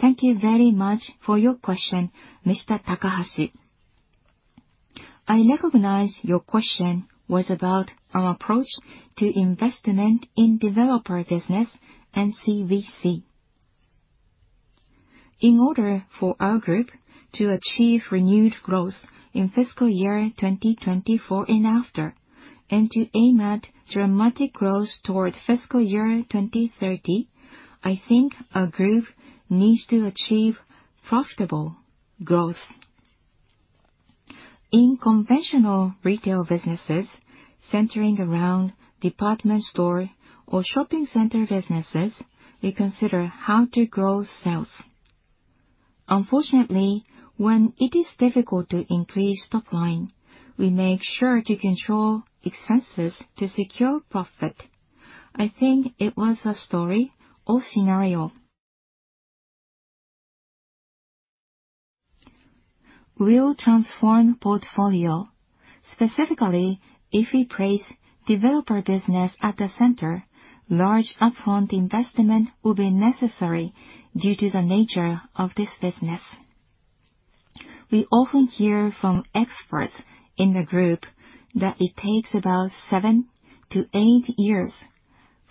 Thank you very much for your question, Mr. Takahashi. I recognize your question was about our approach to investment in developer business and CVC. In order for our group to achieve renewed growth in fiscal year 2024 and after, and to aim at dramatic growth towards fiscal year 2030, I think our group needs to achieve profitable growth. In conventional retail businesses, centering around department store or shopping center businesses, we consider how to grow sales. Unfortunately, when it is difficult to increase top line, we make sure to control expenses to secure profit. I think it was a story or scenario. We'll transform portfolio. Specifically, if we place developer business at the center, large upfront investment will be necessary due to the nature of this business. We often hear from experts in the group that it takes about seven-eight years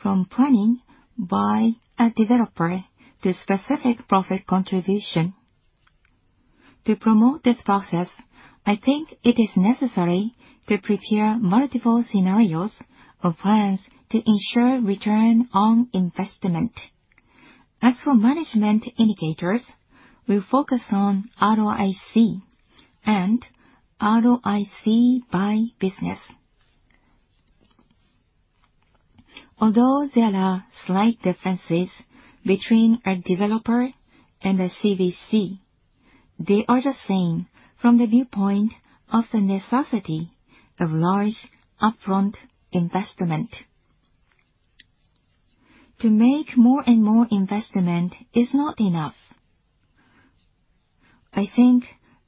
from planning by a developer to specific profit contribution. To promote this process, I think it is necessary to prepare multiple scenarios or plans to ensure return on investment. As for management indicators, we focus on ROIC and ROIC by business. Although there are slight differences between a developer and a CVC, they are the same from the viewpoint of the necessity of large upfront investment. To make more and more investment is not enough. I think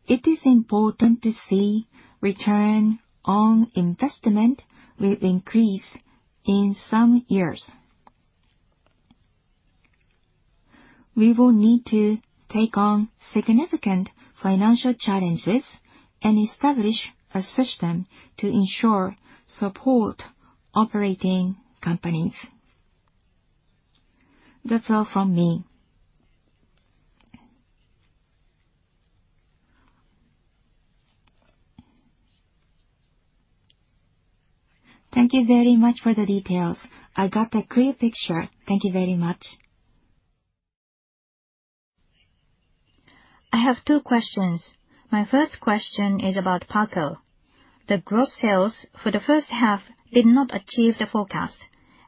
it is important to see return on investment will increase in some years. We will need to take on significant financial challenges and establish a system to ensure support operating companies. That's all from me. Thank you very much for the details. I got a clear picture. Thank you very much. I have two questions. My first question is about PARCO. The gross sales for the first half did not achieve the forecast.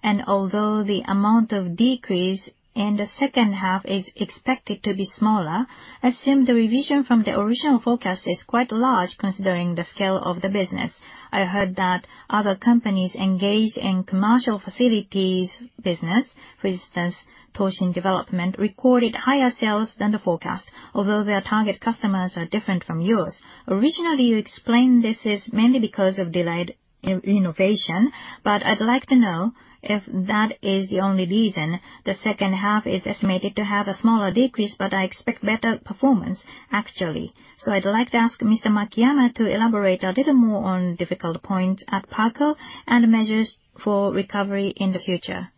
Although the amount of decrease in the second half is expected to be smaller, it seems the revision from the original forecast is quite large considering the scale of the business. I heard that other companies engaged in commercial facilities business, for instance, Toshin Development, recorded higher sales than the forecast, although their target customers are different from yours. Originally, you explained this is mainly because of delayed re-renovation, but I'd like to know if that is the only reason the second half is estimated to have a smaller decrease, but I expect better performance actually. I'd like to ask Mr. Makiyama to elaborate a little more on difficult points at PARCO and measures for recovery in the future.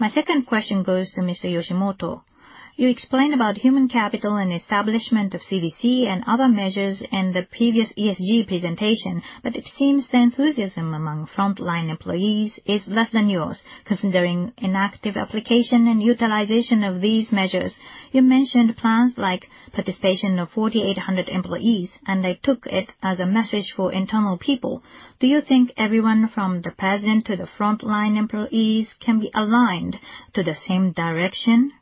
My second question goes to Mr. Yoshimoto. You explained about human capital and establishment of CVC and other measures in the previous ESG presentation, but it seems the enthusiasm among frontline employees is less than yours considering inactive application and utilization of these measures. You mentioned plans like participation of 4,800 employees, and I took it as a message for internal people. Do you think everyone from the president to the frontline employees can be aligned to the same direction?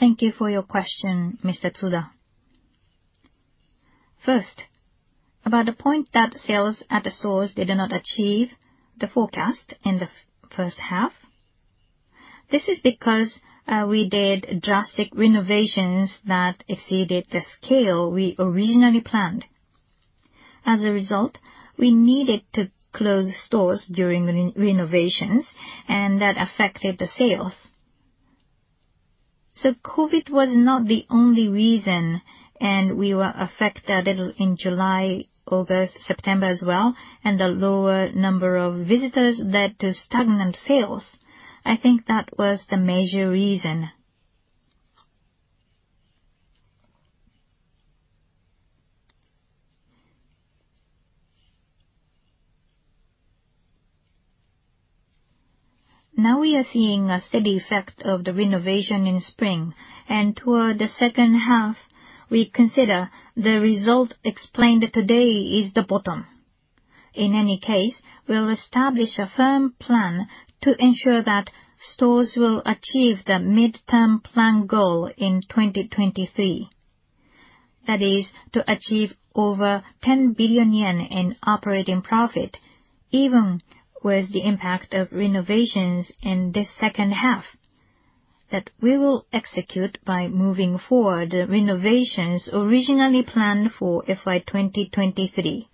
Thank you for your question, Mr. Tsuda. First, about the point that sales at the stores did not achieve the forecast in the first half, this is because we did drastic renovations that exceeded the scale we originally planned. As a result, we needed to close stores during renovations, and that affected the sales. COVID was not the only reason, and we were affected a little in July, August, September as well, and the lower number of visitors led to stagnant sales. I think that was the major reason. Now we are seeing a steady effect of the renovation in spring, and toward the second half, we consider the result explained today is the bottom. In any case, we'll establish a firm plan to ensure that stores will achieve the midterm plan goal in 2023. That is to achieve over 10 billion yen in operating profit, even with the impact of renovations in this second half, that we will execute by moving forward renovations originally planned for FY 2023.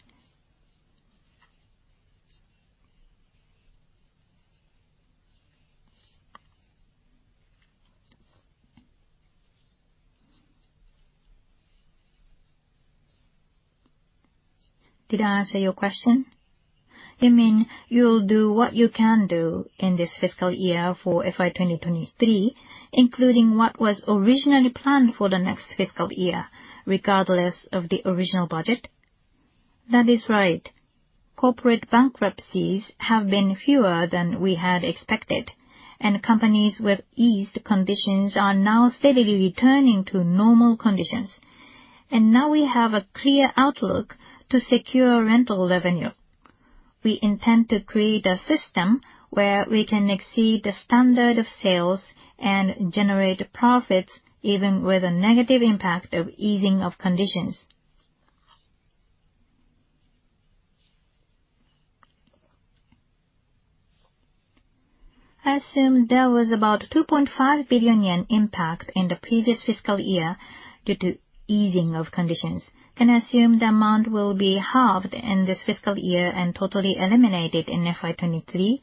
Did I answer your question? You mean you'll do what you can do in this fiscal year for FY 2023, including what was originally planned for the next fiscal year, regardless of the original budget? That is right. Corporate bankruptcies have been fewer than we had expected, and companies with eased conditions are now steadily returning to normal conditions. Now we have a clear outlook to secure rental revenue. We intend to create a system where we can exceed the standard of sales and generate profits even with a negative impact of easing of conditions. I assume there was about 2.5 billion yen impact in the previous fiscal year due to easing of conditions. Can I assume the amount will be halved in this fiscal year and totally eliminated in FY 2023?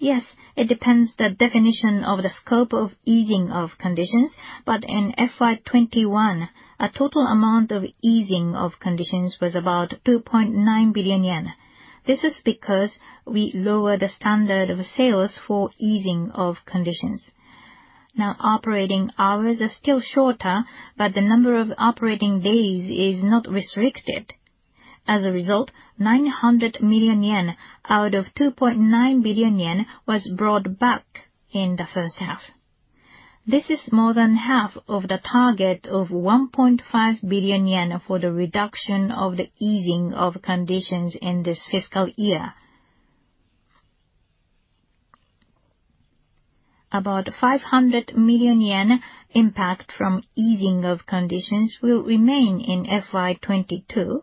Yes. It depends on the definition of the scope of easing of conditions. In FY 2021, a total amount of easing of conditions was about 2.9 billion yen. This is because we lower the standard of sales for easing of conditions. Now, operating hours are still shorter, but the number of operating days is not restricted. As a result, 900 million yen out of 2.9 billion yen was brought back in the first half. This is more than half of the target of 1.5 billion yen for the reduction of the easing of conditions in this fiscal year. About 500 million yen impact from easing of conditions will remain in FY 2022,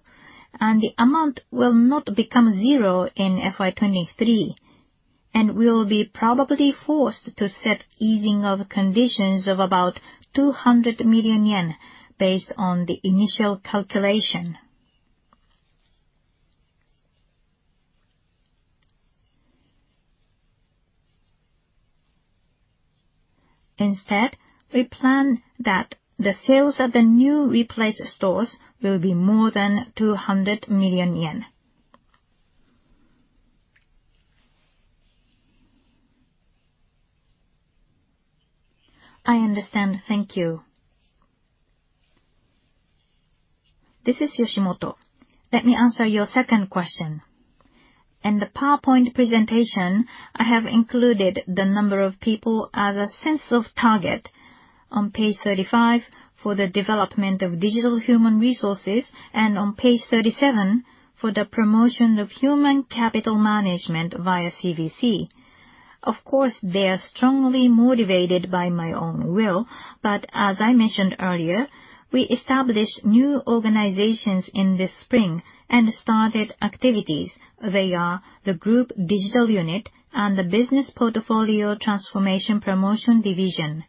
and the amount will not become zero in FY 2023, and we will be probably forced to set easing of conditions of about 200 million yen based on the initial calculation. Instead, we plan that the sales of the new replaced stores will be more than 200 million yen. I understand. Thank you. This is Yoshimoto. Let me answer your second question. In the PowerPoint presentation, I have included the number of people as a sense of target on page 35 for the development of digital human resources and on page 37 for the promotion of human capital management via CVC. Of course, they are strongly motivated by my own will, but as I mentioned earlier, we established new organizations in the spring and started activities. They are the Group Digital Unit and the Business Portfolio Transformation Promotion Division.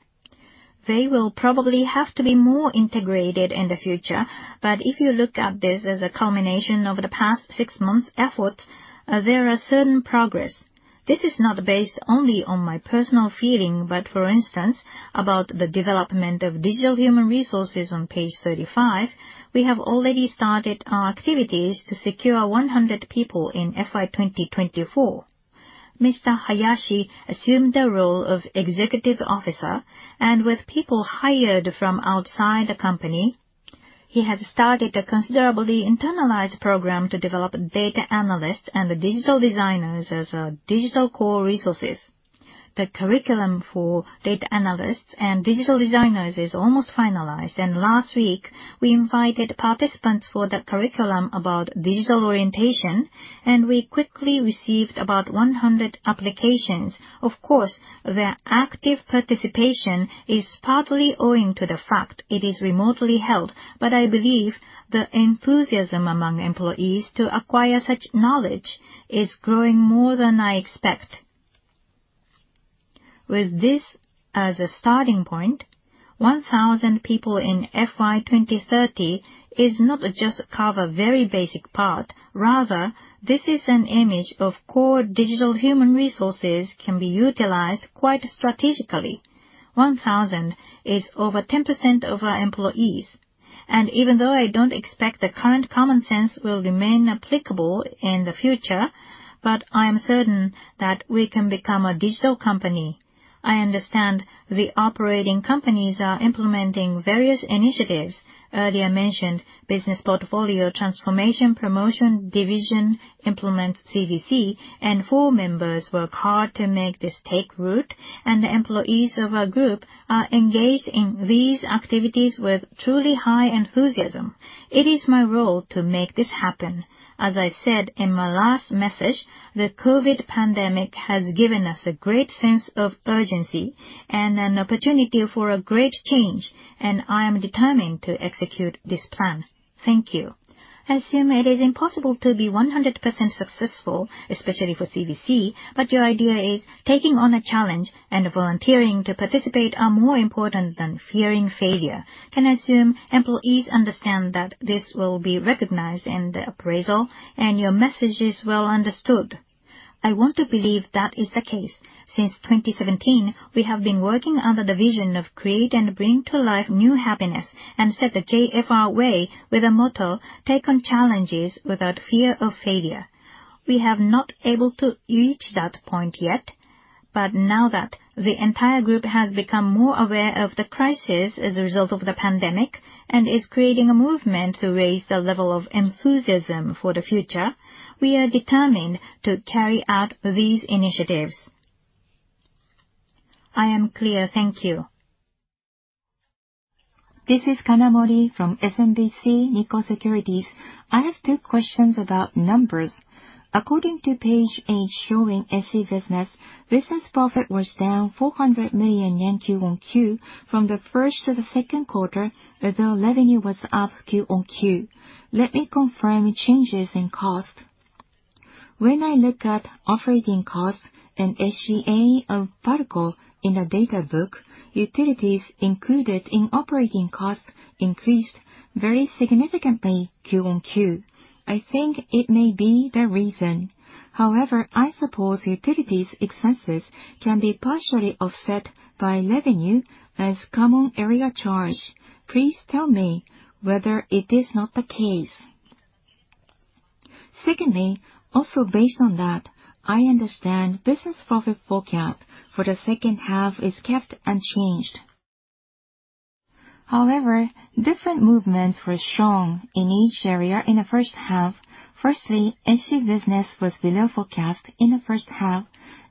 They will probably have to be more integrated in the future, but if you look at this as a culmination of the past six months' efforts, there are certain progress. This is not based only on my personal feeling, but for instance, about the development of digital human resources on page 35, we have already started our activities to secure 100 people in FY 2024. Mr. Hayashi assumed the role of executive officer, and with people hired from outside the company, he has started a considerably internalized program to develop data analysts and the digital designers as digital core resources. The curriculum for data analysts and digital designers is almost finalized, and last week, we invited participants for the curriculum about digital orientation, and we quickly received about 100 applications. Of course, their active participation is partly owing to the fact it is remotely held, but I believe the enthusiasm among employees to acquire such knowledge is growing more than I expect. With this as a starting point, 1,000 people in FY 2030 is not just cover very basic part. Rather, this is an image of core digital human resources can be utilized quite strategically. 1,000 is over 10% of our employees. Even though I don't expect the current common sense will remain applicable in the future, but I am certain that we can become a digital company. I understand the operating companies are implementing various initiatives. Earlier mentioned, Business Portfolio Transformation Promotion Division implements CVC, and four members work hard to make this take root, and the employees of our group are engaged in these activities with truly high enthusiasm. It is my role to make this happen. As I said in my last message, the COVID pandemic has given us a great sense of urgency and an opportunity for a great change, and I am determined to execute this plan. Thank you. I assume it is impossible to be 100% successful, especially for CVC, but your idea is taking on a challenge and volunteering to participate are more important than fearing failure. Can I assume employees understand that this will be recognized in the appraisal and your message is well understood? I want to believe that is the case. Since 2017, we have been working under the vision of create and bring to life new happiness and set the JFR way with a motto, "Take on challenges without fear of failure." We have not able to reach that point yet, but now that the entire group has become more aware of the crisis as a result of the pandemic and is creating a movement to raise the level of enthusiasm for the future, we are determined to carry out these initiatives. I am clear. Thank you. This is Kanamori from SMBC Nikko Securities. I have two questions about numbers. According to page eight showing SC business profit was down 400 million yen QOQ from the first to the second quarter, although revenue was up QOQ. Let me confirm changes in cost. When I look at operating costs and SGA of PARCO in the data book, utilities included in operating costs increased very significantly QOQ. I think it may be the reason. However, I suppose utilities expenses can be partially offset by revenue as common area charge. Please tell me whether it is not the case. Secondly, also based on that, I understand business profit forecast for the second half is kept unchanged. However, different movements were shown in each area in the first half. Firstly, SC business was below forecast in the first half.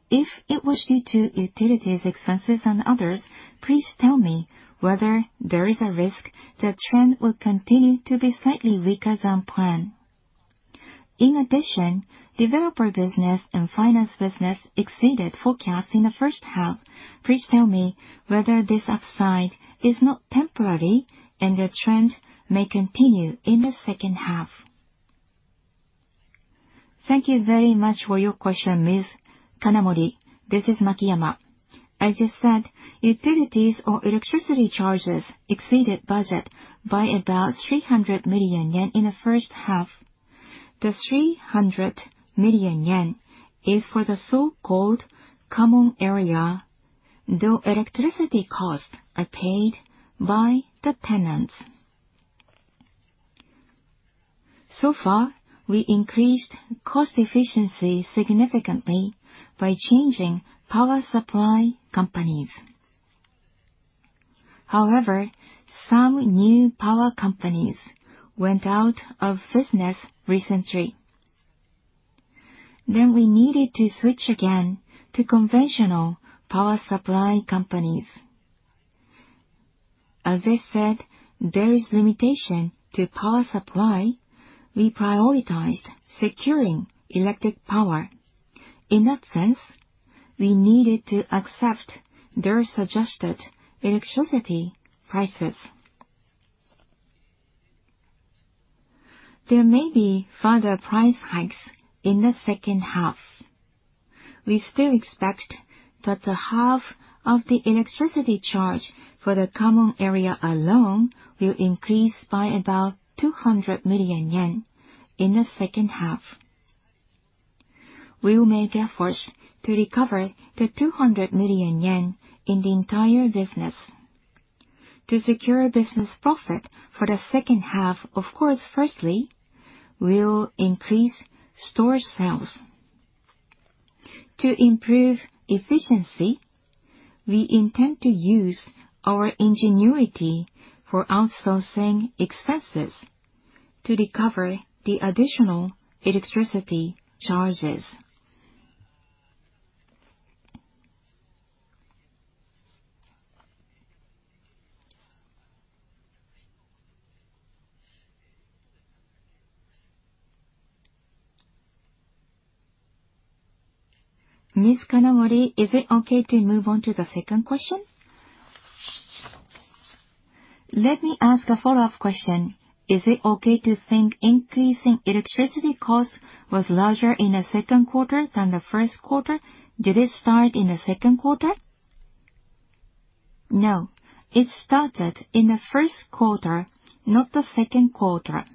If it was due to utilities expenses and others, please tell me whether there is a risk the trend will continue to be slightly weaker than planned. In addition, developer business and finance business exceeded forecast in the first half. Please tell me whether this upside is not temporary and the trend may continue in the second half. Thank you very much for your question, Ms. Kanamori. This is Makiyama. As you said, utilities or electricity charges exceeded budget by about 300 million yen in the first half. The 300 million yen is for the so-called common area, though electricity costs are paid by the tenants. So far, we increased cost efficiency significantly by changing power supply companies. However, some new power companies went out of business recently. Then we needed to switch again to conventional power supply companies. As I said, there is limitation to power supply. We prioritized securing electric power. In that sense, we needed to accept their suggested electricity prices. There may be further price hikes in the second half. We still expect that the half of the electricity charge for the common area alone will increase by about 200 million yen in the second half. We will make efforts to recover the 200 million yen in the entire business. To secure business profit for the second half, of course, firstly, we will increase store sales. To improve efficiency, we intend to use our ingenuity for outsourcing expenses to recover the additional electricity charges. Ms. Kanamori, is it okay to move on to the second question? Let me ask a follow-up question. Is it okay to think increasing electricity cost was larger in the second quarter than the first quarter? Did it start in the second quarter? No, it started in the first quarter, not the second quarter.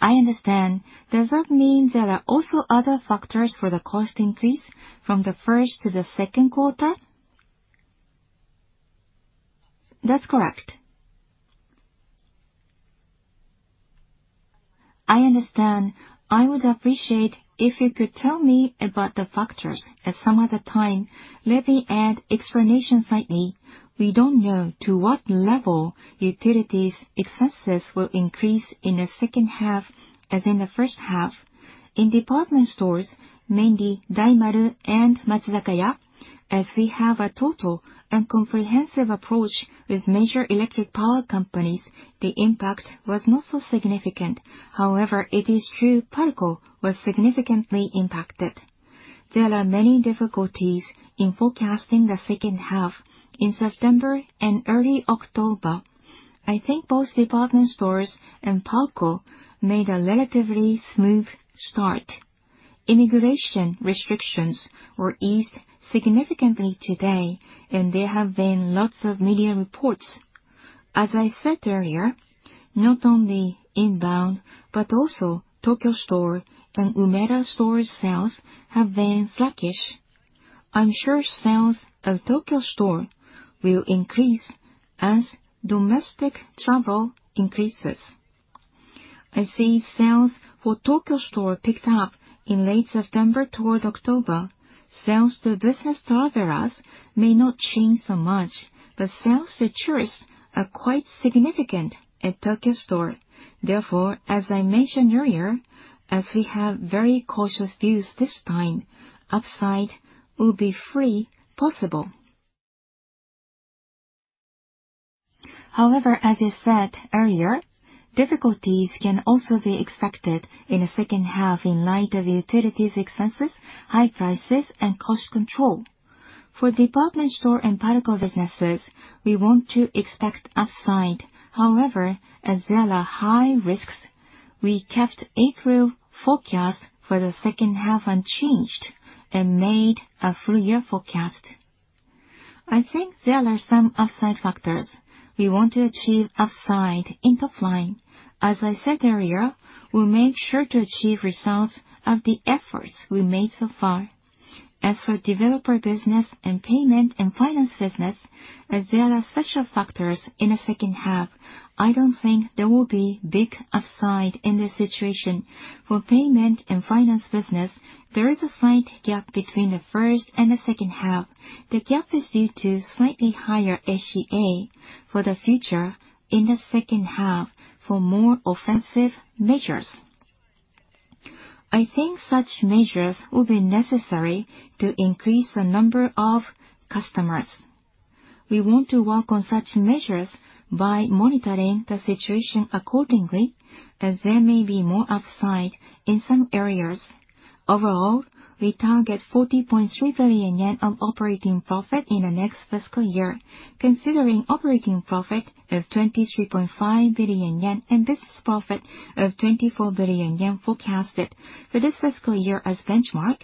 I understand. Does that mean there are also other factors for the cost increase from the first to the second quarter? That's correct. I understand. I would appreciate if you could tell me about the factors at some other time. Let me add explanation slightly. We don't know to what level utilities expenses will increase in the second half as in the first half. In department stores, mainly Daimaru and Matsuzakaya, as we have a total and comprehensive approach with major electric power companies, the impact was not so significant. However, it is true PARCO was significantly impacted. There are many difficulties in forecasting the second half. In September and early October, I think both department stores and PARCO made a relatively smooth start. Immigration restrictions were eased significantly today, and there have been lots of media reports. As I said earlier, not only inbound, but also Tokyo Store and Umeda Store sales have been slackish. I'm sure sales of Tokyo Store will increase as domestic travel increases. I see sales for Tokyo Store picked up in late September toward October. Sales to business travelers may not change so much, but sales to tourists are quite significant at Tokyo Store. Therefore, as I mentioned earlier, as we have very cautious views this time, upside will be freely possible. However, as I said earlier, difficulties can also be expected in the second half in light of utilities expenses, high prices, and cost control. For department store and PARCO businesses, we want to expect upside. However, as there are high risks, we kept April forecast for the second half unchanged and made a full year forecast. I think there are some upside factors. We want to achieve upside in offline. As I said earlier, we'll make sure to achieve results of the efforts we made so far. As for developer business and payment and finance business, as there are special factors in the second half, I don't think there will be big upside in this situation. For payment and finance business, there is a slight gap between the first and the second half. The gap is due to slightly higher SGA for the future in the second half for more offensive measures. I think such measures will be necessary to increase the number of customers. We want to work on such measures by monitoring the situation accordingly, as there may be more upside in some areas. Overall, we target 40.3 billion yen of operating profit in the next fiscal year, considering operating profit of 23.5 billion yen and business profit of 24 billion yen forecasted. For this fiscal year as benchmark,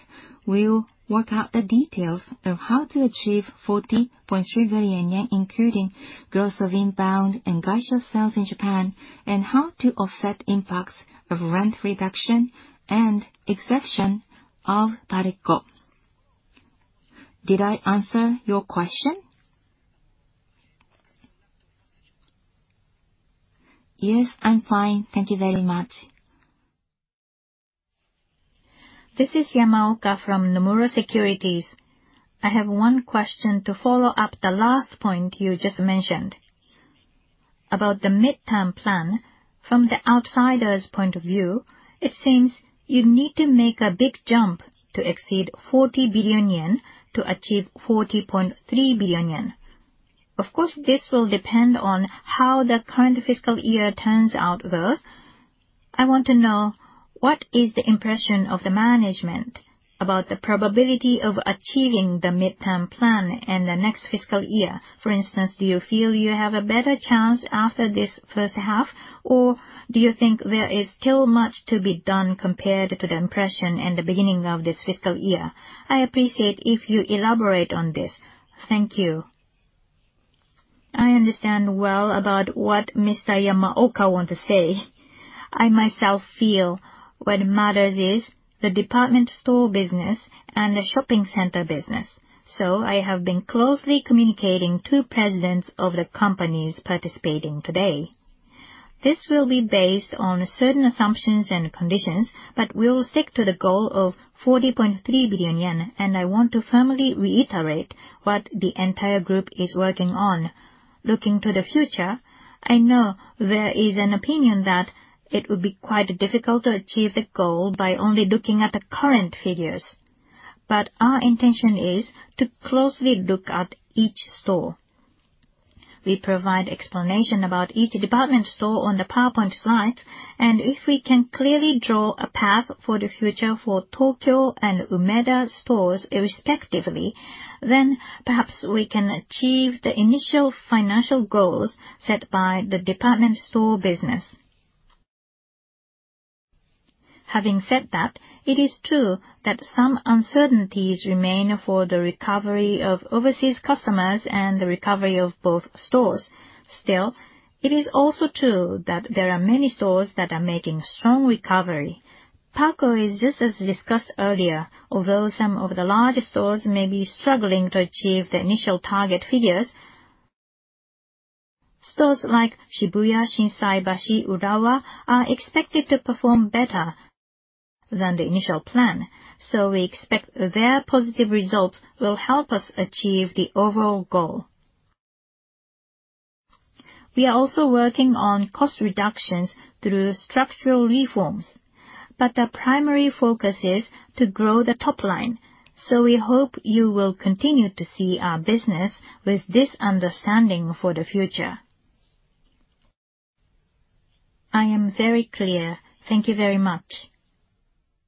we will work out the details of how to achieve 40.3 billion yen, including growth of inbound and gaisho sales in Japan, and how to offset impacts of rent reduction and exclusion of PARCO. Did I answer your question? Yes, I'm fine. Thank you very much. This is Yamaoka from Nomura Securities. I have one question to follow up the last point you just mentioned. About the midterm plan, from the outsider's point of view, it seems you need to make a big jump to exceed 40 billion yen to achieve 40.3 billion yen. Of course, this will depend on how the current fiscal year turns out, though. I want to know what is the impression of the management about the probability of achieving the midterm plan in the next fiscal year? For instance, do you feel you have a better chance after this first half, or do you think there is still much to be done compared to the impression in the beginning of this fiscal year? I appreciate if you elaborate on this. Thank you. I understand well about what Mr. Yamaoka want to say. I myself feel what matters is the department store business and the shopping center business. I have been closely communicating to presidents of the companies participating today. This will be based on certain assumptions and conditions, but we will stick to the goal of 40.3 billion yen, and I want to firmly reiterate what the entire group is working on. Looking to the future, I know there is an opinion that it would be quite difficult to achieve the goal by only looking at the current figures, but our intention is to closely look at each store. We provide explanation about each department store on the PowerPoint slides, and if we can clearly draw a path for the future for Tokyo and Umeda stores respectively, then perhaps we can achieve the initial financial goals set by the department store business. Having said that, it is true that some uncertainties remain for the recovery of overseas customers and the recovery of both stores. Still, it is also true that there are many stores that are making strong recovery. PARCO is just as discussed earlier. Although some of the larger stores may be struggling to achieve the initial target figures, stores like Shibuya, Shinsaibashi, Urawa are expected to perform better than the initial plan, so we expect their positive results will help us achieve the overall goal. We are also working on cost reductions through structural reforms, but our primary focus is to grow the top line, so we hope you will continue to see our business with this understanding for the future. I am very clear. Thank you very much.